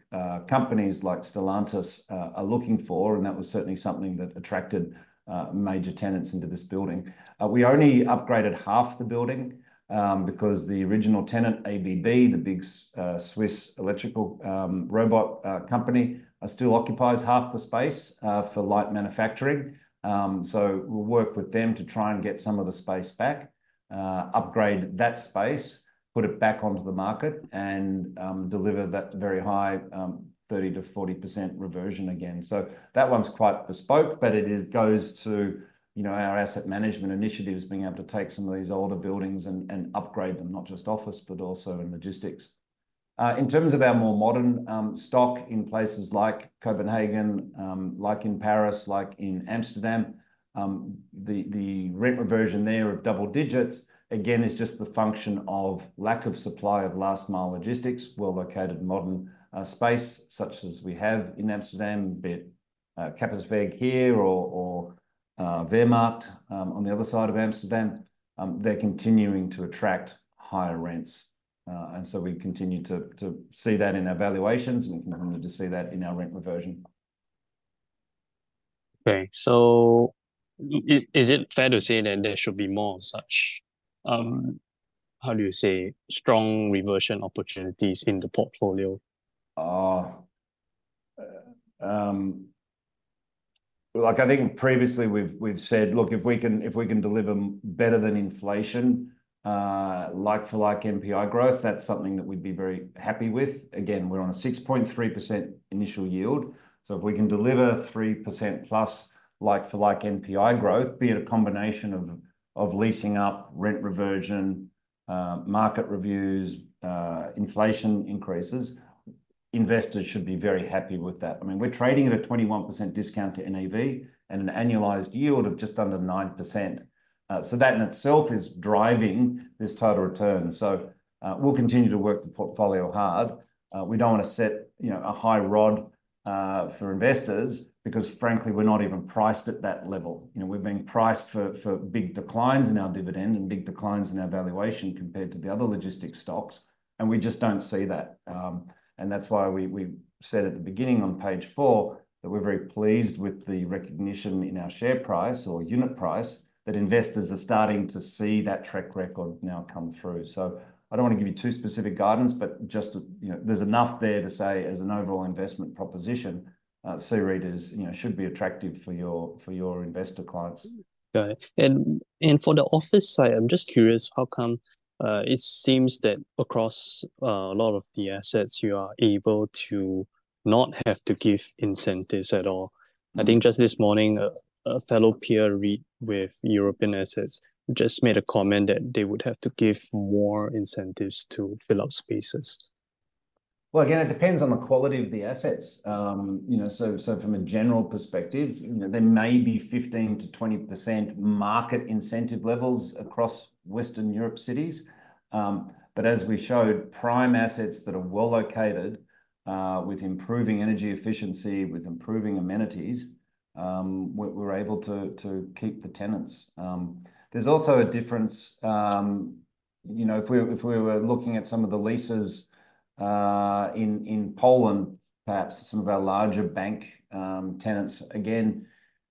companies like Stellantis are looking for. And that was certainly something that attracted major tenants into this building. We only upgraded half the building because the original tenant, ABB, the big Swiss electrical robot company, still occupies half the space for light manufacturing. We'll work with them to try and get some of the space back, upgrade that space, put it back onto the market and deliver that very high 30%-40% reversion again. That one's quite bespoke, but it goes to, you know, our asset management initiatives, being able to take some of these older buildings and upgrade them, not just office, but also in logistics. In terms of our more modern stock in places like Copenhagen, like in Paris, like in Amsterdam, the rent reversion there of double digits, again, is just the function of lack of supply of last mile logistics, well located modern space such as we have in Amsterdam, at Kapoeasweg here or Westpoort on the other side of Amsterdam. They're continuing to attract higher rents. And so, we continue to see that in our valuations and we continue to see that in our rent reversion. Okay, so is it fair to say that there should be more such? How do you say strong reversion opportunities in the portfolio? Well, like I think previously we've said, look, if we can deliver better than inflation, like for like NPI growth, that's something that we'd be very happy with. Again, we're on a 6.3% initial yield. So, if we can deliver 3%+ like for like NPI growth, be it a combination of leasing up, rent reversion, market reviews, inflation increases, investors should be very happy with that. I mean, we're trading at a 21% discount to NAV and an annualized yield of just under 9%. So, that in itself is driving this total return. So, we'll continue to work the portfolio hard. We don't want to set, you know, a high bar for investors because frankly, we're not even priced at that level. You know, we've been priced for big declines in our dividend and big declines in our valuation compared to the other logistics stocks. And we just don't see that. And that's why we said at the beginning on page four that we're very pleased with the recognition in our share price or unit price that investors are starting to see that track record now come through. So, I don't want to give you too specific guidance, but just to, you know, there's enough there to say as an overall investment proposition, CREITs, you know, should be attractive for your investor clients. Got it. For the office, I'm just curious how come it seems that across a lot of the assets, you are able to not have to give incentives at all. I think just this morning, a fellow peer REIT with European assets just made a comment that they would have to give more incentives to fill up spaces. Well, again, it depends on the quality of the assets. You know, so from a general perspective, you know, there may be 15%-20% market incentive levels across Western Europe cities. But as we showed, prime assets that are well located, with improving energy efficiency, with improving amenities, we're able to keep the tenants. There's also a difference. You know, if we were looking at some of the leases in Poland, perhaps some of our larger bank tenants, again,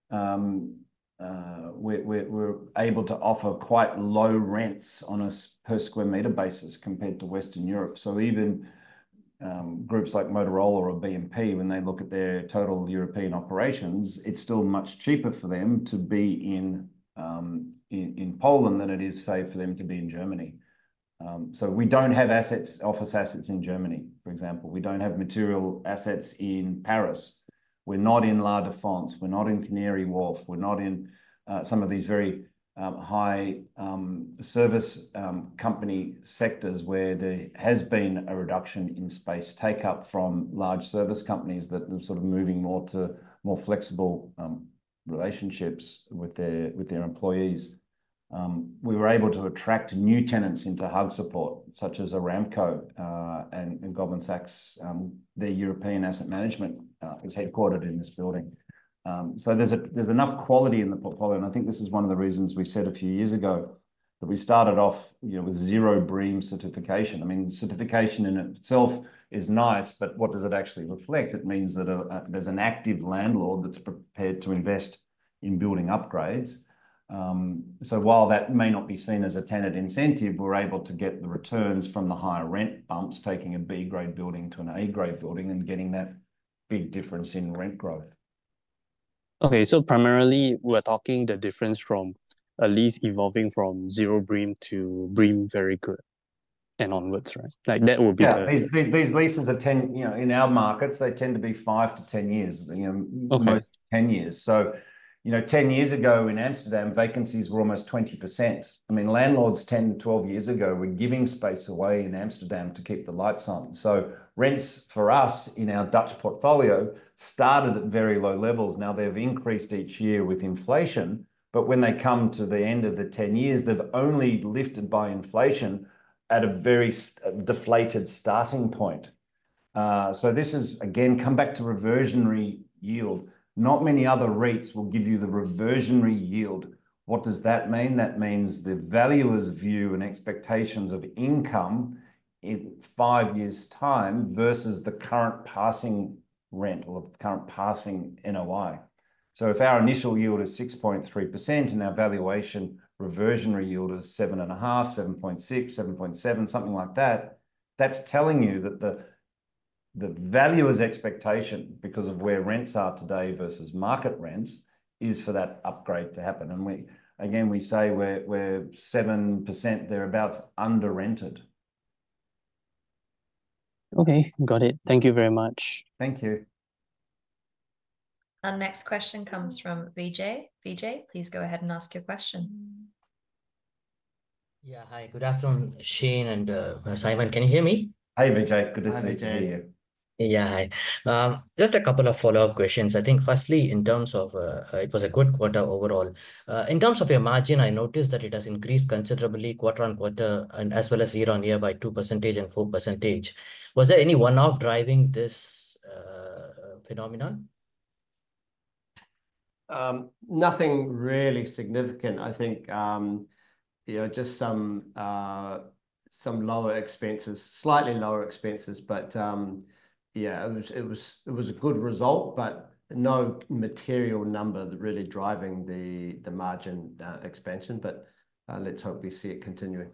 we're able to offer quite low rents on a per square meter basis compared to Western Europe. So, even groups like Motorola or BNP, when they look at their total European operations, it's still much cheaper for them to be in Poland than it is, say, for them to be in Germany. So, we don't have assets, office assets in Germany, for example. We don't have material assets in Paris. We're not in La Défense. We're not in Canary Wharf. We're not in some of these very high service company sectors where there has been a reduction in space take up from large service companies that are sort of moving more to more flexible relationships with their employees. We were able to attract new tenants into Haagse Poort, such as Aramco and Goldman Sachs. Their European asset management is headquartered in this building. There's enough quality in the portfolio. I think this is one of the reasons we said a few years ago that we started off, you know, with zero BREEAM certification. I mean, certification in itself is nice, but what does it actually reflect? It means that there's an active landlord that's prepared to invest in building upgrades. While that may not be seen as a tenant incentive, we're able to get the returns from the higher rent bumps, taking a B grade building to an A grade building and getting that big difference in rent growth. Okay, primarily we're talking the difference from a lease evolving from zero BREEAM to BREEAM very good and onwards, right? Yeah, these leases are 10, you know. In our markets, they tend to be 5-10 years, you know, most 10 years. So, you know, 10 years ago in Amsterdam, vacancies were almost 20%. I mean, landlords 10-12 years ago were giving space away in Amsterdam to keep the lights on. So, rents for us in our Dutch portfolio started at very low levels. Now they've increased each year with inflation. But when they come to the end of the 10 years, they've only lifted by inflation at a very deflated starting point. So, this is again, come back to reversionary yield. Not many other rates will give you the reversionary yield. What does that mean? That means the valuer's view and expectations of income in five years' time versus the current passing rent or the current passing NOI. So, if our initial yield is 6.3% and our valuation reversionary yield is 7.5%, 7.6%, 7.7%, something like that, that's telling you that the valuer's expectation because of where rents are today versus market rents is for that upgrade to happen. And we, again, we say we're 7% thereabouts under rented. Okay, got it. Thank you very much. Thank you. Our next question comes from Vijay. Vijay, please go ahead and ask your question. Yeah, hi, good afternoon, Shane and Simon. Can you hear me? Hi, Vijay. Good to see you. Yeah, hi. Just a couple of follow-up questions. I think firstly, in terms of it was a good quarter overall. In terms of your margin, I noticed that it has increased considerably quarter on quarter and as well as year on year by 2% and 4%. Was there any one-off driving this phenomenon? Nothing really significant. I think, you know, just some lower expenses, slightly lower expenses. But yeah, it was a good result, but no material number that really driving the margin expansion. Let's hope we see it continuing.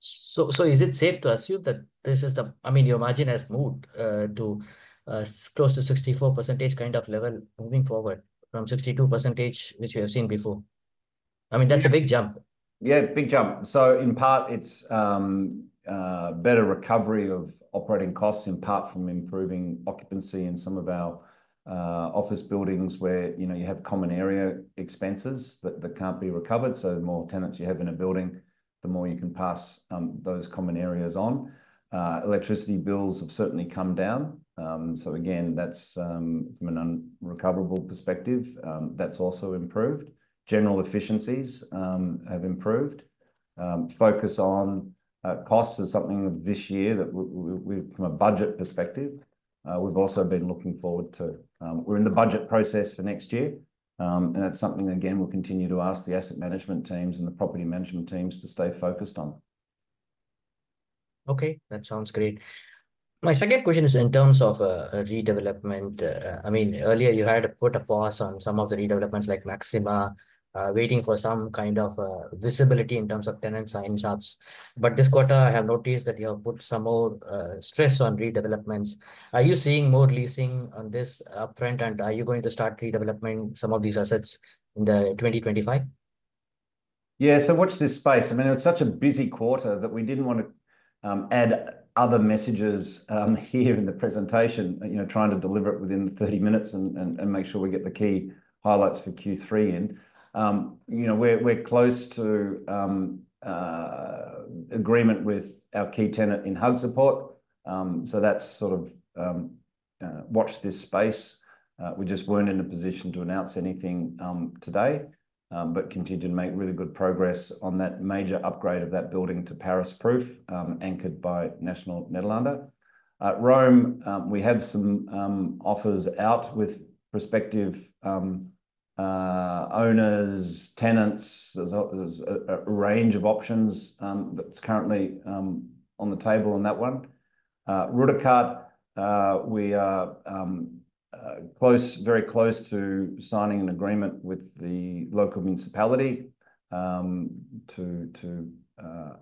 Is it safe to assume that this is the, I mean, your margin has moved to close to 64% kind of level moving forward from 62%, which we have seen before? I mean, that's a big jump. Yeah, big jump. In part, it's better recovery of operating costs in part from improving occupancy in some of our office buildings where, you know, you have common area expenses that can't be recovered. The more tenants you have in a building, the more you can pass those common areas on. Electricity bills have certainly come down. Again, that's from an unrecoverable perspective. That's also improved. General efficiencies have improved. Focus on costs is something of this year that we've from a budget perspective. We've also been looking forward to, we're in the budget process for next year. That's something, again, we'll continue to ask the asset management teams and the property management teams to stay focused on. Okay, that sounds great. My second question is in terms of a redevelopment. I mean, earlier you had put a pause on some of the redevelopments like Maxima, waiting for some kind of visibility in terms of tenant signups. But this quarter, I have noticed that you have put some more stress on redevelopments. Are you seeing more leasing on this upfront? And are you going to start redevelopment some of these assets in 2025? Yeah, so what's this space? I mean, it's such a busy quarter that we didn't want to add other messages here in the presentation, you know, trying to deliver it within 30 minutes and make sure we get the key highlights for Q3 in. You know, we're close to agreement with our key tenant in Haagse Poort. So, that's sort of watch this space. We just weren't in a position to announce anything today, but continue to make really good progress on that major upgrade of that building to Paris Proof, anchored by Nationale-Nederlanden. Rome, we have some offers out with prospective owners, tenants. There's a range of options that's currently on the table on that one. De Ruijterkade, we are close, very close to signing an agreement with the local municipality to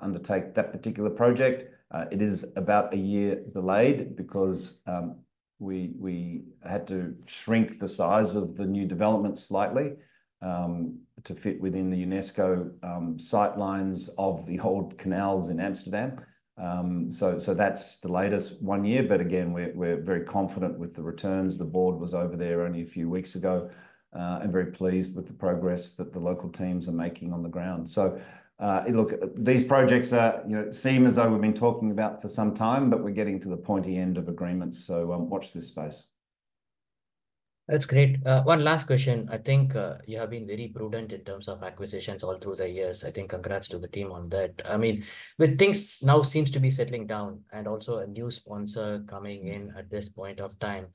undertake that particular project. It is about a year delayed because we had to shrink the size of the new development slightly to fit within the UNESCO sightlines of the old canals in Amsterdam. So, that's the latest one year. But again, we're very confident with the returns. The board was over there only a few weeks ago and very pleased with the progress that the local teams are making on the ground. So, look, these projects are, you know, seem as though we've been talking about for some time, but we're getting to the pointy end of agreements. So, watch this space. That's great. One last question. I think you have been very prudent in terms of acquisitions all through the years. I think congrats to the team on that. I mean, with things now seems to be settling down and also a new sponsor coming in at this point of time,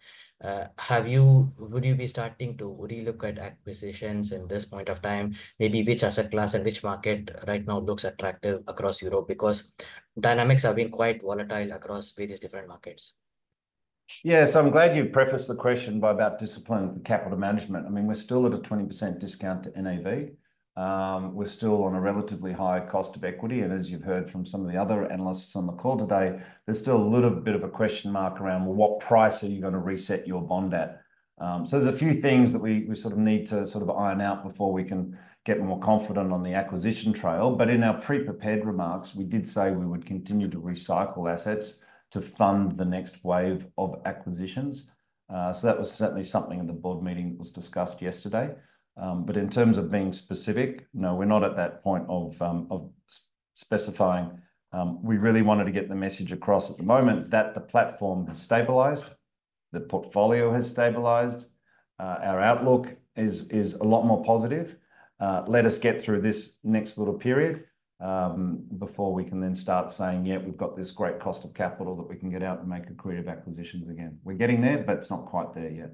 have you, would you be starting to relook at acquisitions in this point of time, maybe which asset class and which market right now looks attractive across Europe because dynamics have been quite volatile across various different markets? Yeah, so I'm glad you prefaced the question by about discipline and capital management. I mean, we're still at a 20% discount to NAV. We're still on a relatively high cost of equity. And as you've heard from some of the other analysts on the call today, there's still a little bit of a question mark around what price are you going to reset your bond at? So, there's a few things that we sort of need to sort of iron out before we can get more confident on the acquisition trail. But in our pre-prepared remarks, we did say we would continue to recycle assets to fund the next wave of acquisitions. So, that was certainly something in the board meeting that was discussed yesterday. But in terms of being specific, no, we're not at that point of specifying. We really wanted to get the message across at the moment that the platform has stabilized, the portfolio has stabilized, our outlook is a lot more positive. Let us get through this next little period before we can then start saying, yeah, we've got this great cost of capital that we can get out and make accretive acquisitions again. We're getting there, but it's not quite there yet.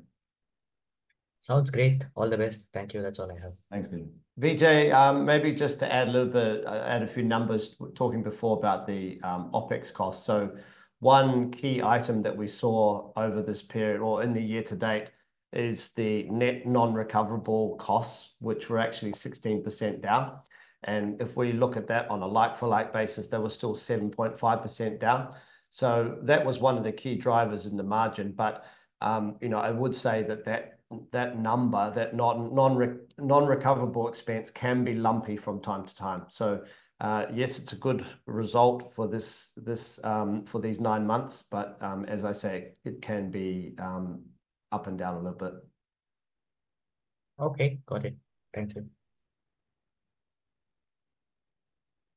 Sounds great. All the best. Thank you. That's all I have. Thank you. Vijay. Maybe just to add a little bit, add a few numbers. We're talking before about the OpEx costs. So, one key item that we saw over this period or in the year to date is the net non-recoverable costs, which were actually 16% down. And if we look at that on a like-for-like basis, there was still 7.5% down. So, that was one of the key drivers in the margin. But, you know, I would say that number, that non-recoverable expense can be lumpy from time to time. So, yes, it's a good result for these nine months. But as I say, it can be up and down a little bit. Okay, got it. Thank you.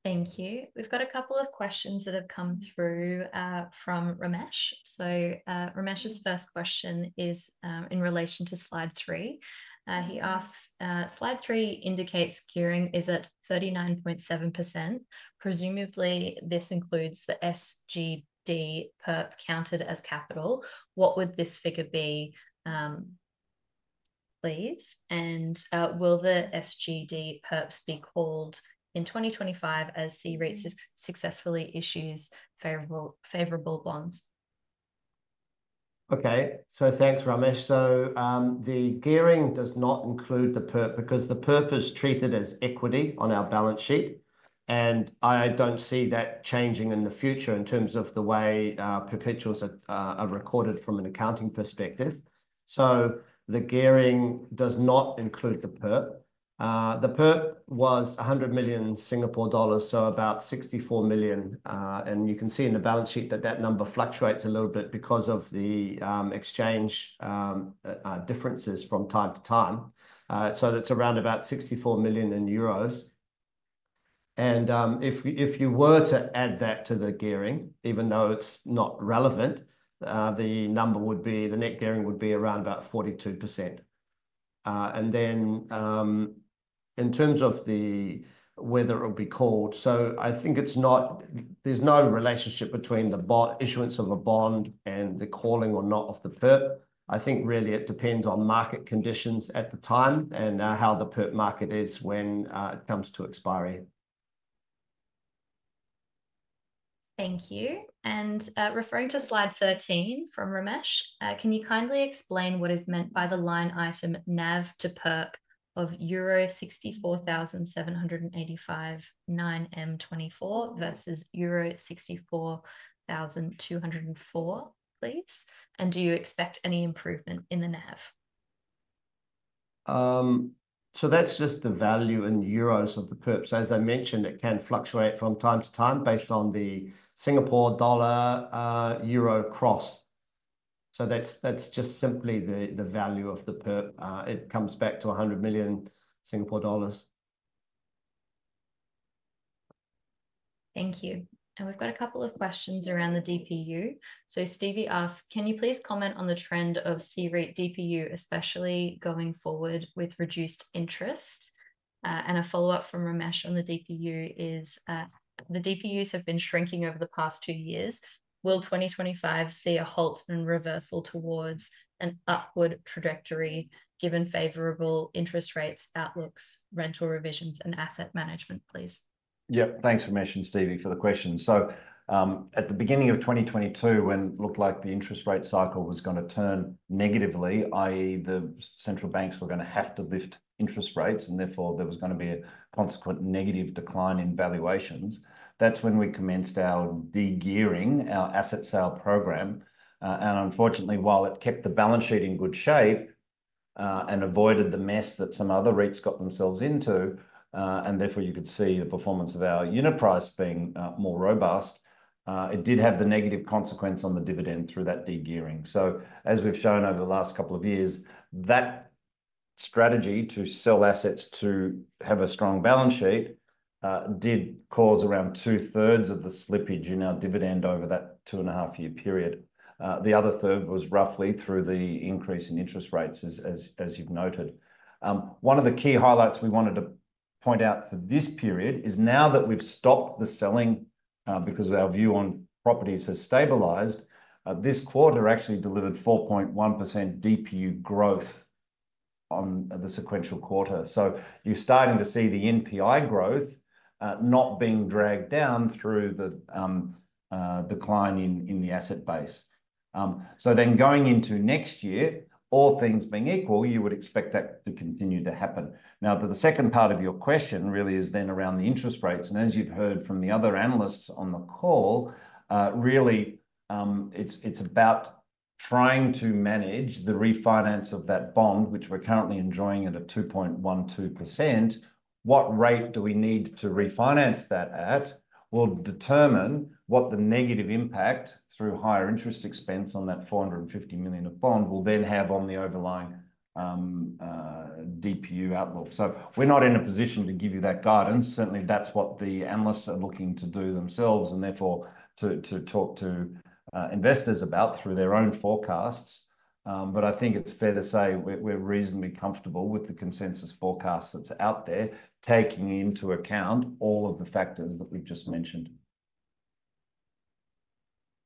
Thank you. We've got a couple of questions that have come through from Ramesh. Ramesh's first question is in relation to slide three. He asks, slide three indicates gearing is at 39.7%. Presumably, this includes the SGD perp counted as capital. What would this figure be, please? And will the SGD perps be called in 2025 as swap rates successfully issues favorable bonds? Okay, so thanks, Ramesh. The gearing does not include the perp because the perp is treated as equity on our balance sheet. And I don't see that changing in the future in terms of the way perpetuals are recorded from an accounting perspective. The gearing does not include the perp. The perp was 100 million Singapore dollars, so about 64 million. And you can see in the balance sheet that that number fluctuates a little bit because of the exchange differences from time to time. That's around about 64 million euros. If you were to add that to the gearing, even though it's not relevant, the number would be. The net gearing would be around about 42%. Then in terms of whether it will be called, so I think it's not. There's no relationship between the issuance of a bond and the calling or not of the perp. I think really it depends on market conditions at the time and how the perp market is when it comes to expiry. Thank you. Referring to slide 13 from Ramesh, can you kindly explain what is meant by the line item NAV to perp of euro 64,785 9M24 versus euro 64,204, please? And do you expect any improvement in the NAV? That's just the value in euros of the perps. As I mentioned, it can fluctuate from time to time based on the Singapore dollar euro cross. So, that's just simply the value of the perp. It comes back to 100 million Singapore dollars. Thank you. And we've got a couple of questions around the DPU. So, Stevie asked, can you please comment on the trend of cap rate DPU, especially going forward with reduced interest? And a follow-up from Ramesh on the DPU is the DPUs have been shrinking over the past two years. Will 2025 see a halt and reversal towards an upward trajectory given favorable interest rate outlooks, rent reversions and asset management, please? Yep, thanks for mentioning, Stevie, for the question. At the beginning of 2022, when it looked like the interest rate cycle was going to turn negatively, i.e., the central banks were going to have to lift interest rates and therefore there was going to be a consequent negative decline in valuations, that's when we commenced our degearing, our asset sale program. Unfortunately, while it kept the balance sheet in good shape and avoided the mess that some other REITs got themselves into, and therefore you could see the performance of our unit price being more robust, it did have the negative consequence on the dividend through that degearing. As we've shown over the last couple of years, that strategy to sell assets to have a strong balance sheet did cause around two-thirds of the slippage in our dividend over that two and a half year period. The other third was roughly through the increase in interest rates, as you've noted. One of the key highlights we wanted to point out for this period is now that we've stopped the selling because our view on properties has stabilized, this quarter actually delivered 4.1% DPU growth on the sequential quarter. So, you're starting to see the NPI growth not being dragged down through the decline in the asset base. So, then going into next year, all things being equal, you would expect that to continue to happen. Now, but the second part of your question really is then around the interest rates. And as you've heard from the other analysts on the call, really it's about trying to manage the refinance of that bond, which we're currently enjoying at a 2.12%. What rate do we need to refinance that at will determine what the negative impact through higher interest expense on that 450 million of bond will then have on the overlying DPU outlook. So, we're not in a position to give you that guidance. Certainly, that's what the analysts are looking to do themselves and therefore to talk to investors about through their own forecasts. But I think it's fair to say we're reasonably comfortable with the consensus forecast that's out there, taking into account all of the factors that we've just mentioned.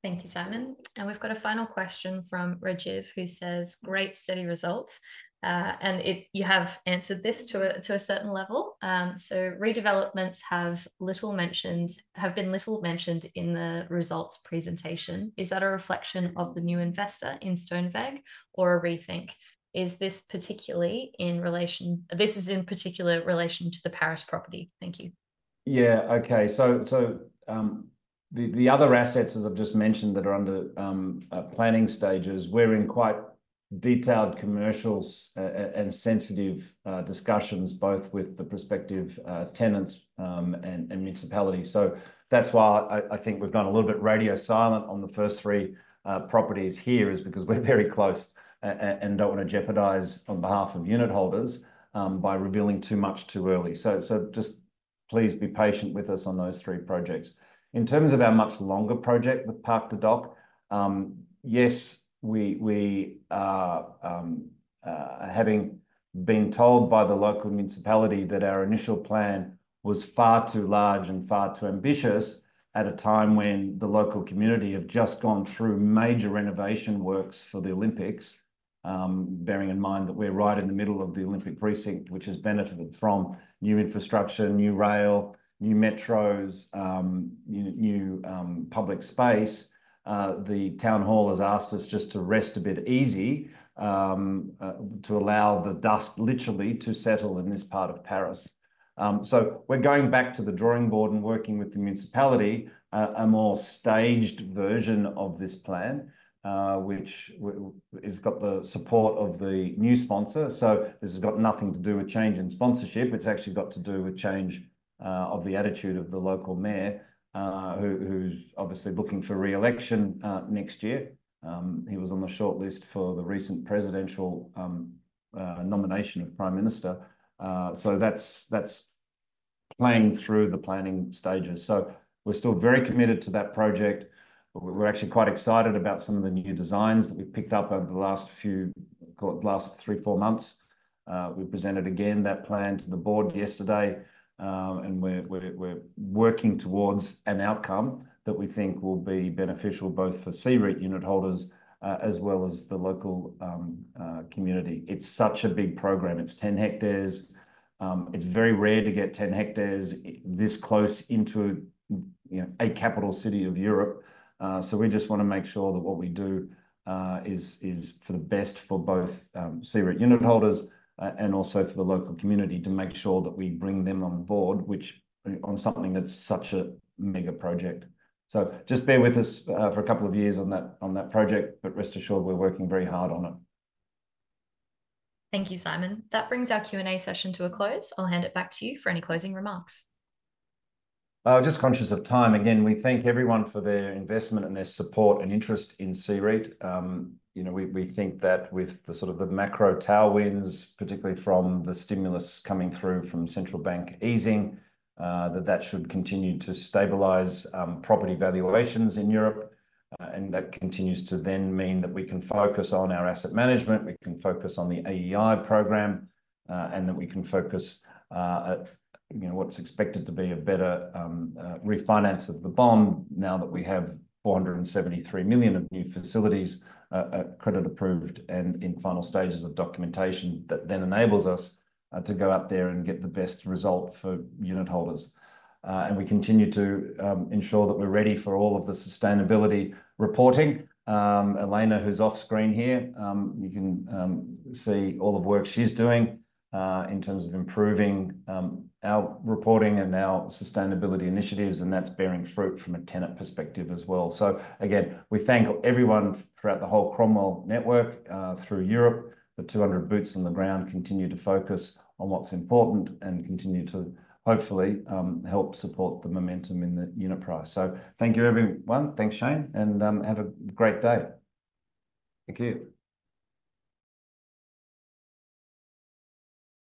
Thank you, Simon. And we've got a final question from Rajiv who says, great study results. And you have answered this to a certain level. So, redevelopments have little mentioned, have been little mentioned in the results presentation. Is that a reflection of the new investor in Stoneweg or a rethink? Is this particularly in relation to the Paris property? Thank you. Yeah, okay. So the other assets, as I've just mentioned, that are under planning stages, we're in quite detailed commercials and sensitive discussions both with the prospective tenants and municipalities. So, that's why I think we've gone a little bit radio silent on the first three properties here is because we're very close and don't want to jeopardize on behalf of unit holders by revealing too much too early. So just please be patient with us on those three projects. In terms of our much longer project with Parc des Docks, yes, we are having been told by the local municipality that our initial plan was far too large and far too ambitious at a time when the local community have just gone through major renovation works for the Olympics, bearing in mind that we're right in the middle of the Olympic precinct, which has benefited from new infrastructure, new rail, new metros, new public space. The town hall has asked us just to rest a bit easy, to allow the dust literally to settle in this part of Paris. So, we're going back to the drawing board and working with the municipality a more staged version of this plan, which we've got the support of the new sponsor. So, this has got nothing to do with change in sponsorship. It's actually got to do with change of the attitude of the local mayor, who's obviously looking for reelection next year. He was on the shortlist for the recent presidential nomination of Prime Minister. So, that's playing through the planning stages. So, we're still very committed to that project. We're actually quite excited about some of the new designs that we picked up over the last few, called last three, four months. We presented again that plan to the board yesterday. And we're working towards an outcome that we think will be beneficial both for REIT unit holders as well as the local community. It's such a big program. It's 10 hectares. It's very rare to get 10 hectares this close into, you know, a capital city of Europe. So, we just want to make sure that what we do is for the best for both CREIT unit holders and also for the local community to make sure that we bring them on board, which on something that's such a mega project. Just bear with us for a couple of years on that project, but rest assured we're working very hard on it. Thank you, Simon. That brings our Q&A session to a close. I'll hand it back to you for any closing remarks. Just conscious of time, again, we thank everyone for their investment and their support and interest in CREIT. You know, we think that with the sort of the macro tailwinds, particularly from the stimulus coming through from central bank easing, that should continue to stabilize property valuations in Europe. And that continues to then mean that we can focus on our asset management, we can focus on the AEI program, and that we can focus at, you know, what's expected to be a better refinance of the bond now that we have 473 million of new credit facilities approved and in final stages of documentation that then enables us to go out there and get the best result for unit holders. And we continue to ensure that we're ready for all of the sustainability reporting. Elena, who's off screen here, you can see all the work she's doing in terms of improving our reporting and our sustainability initiatives. And that's bearing fruit from a tenant perspective as well. So, again, we thank everyone throughout the whole Cromwell network through Europe. The 200 boots on the ground continue to focus on what's important and continue to hopefully help support the momentum in the unit price. So, thank you everyone. Thanks, Shane, and have a great day. Thank you.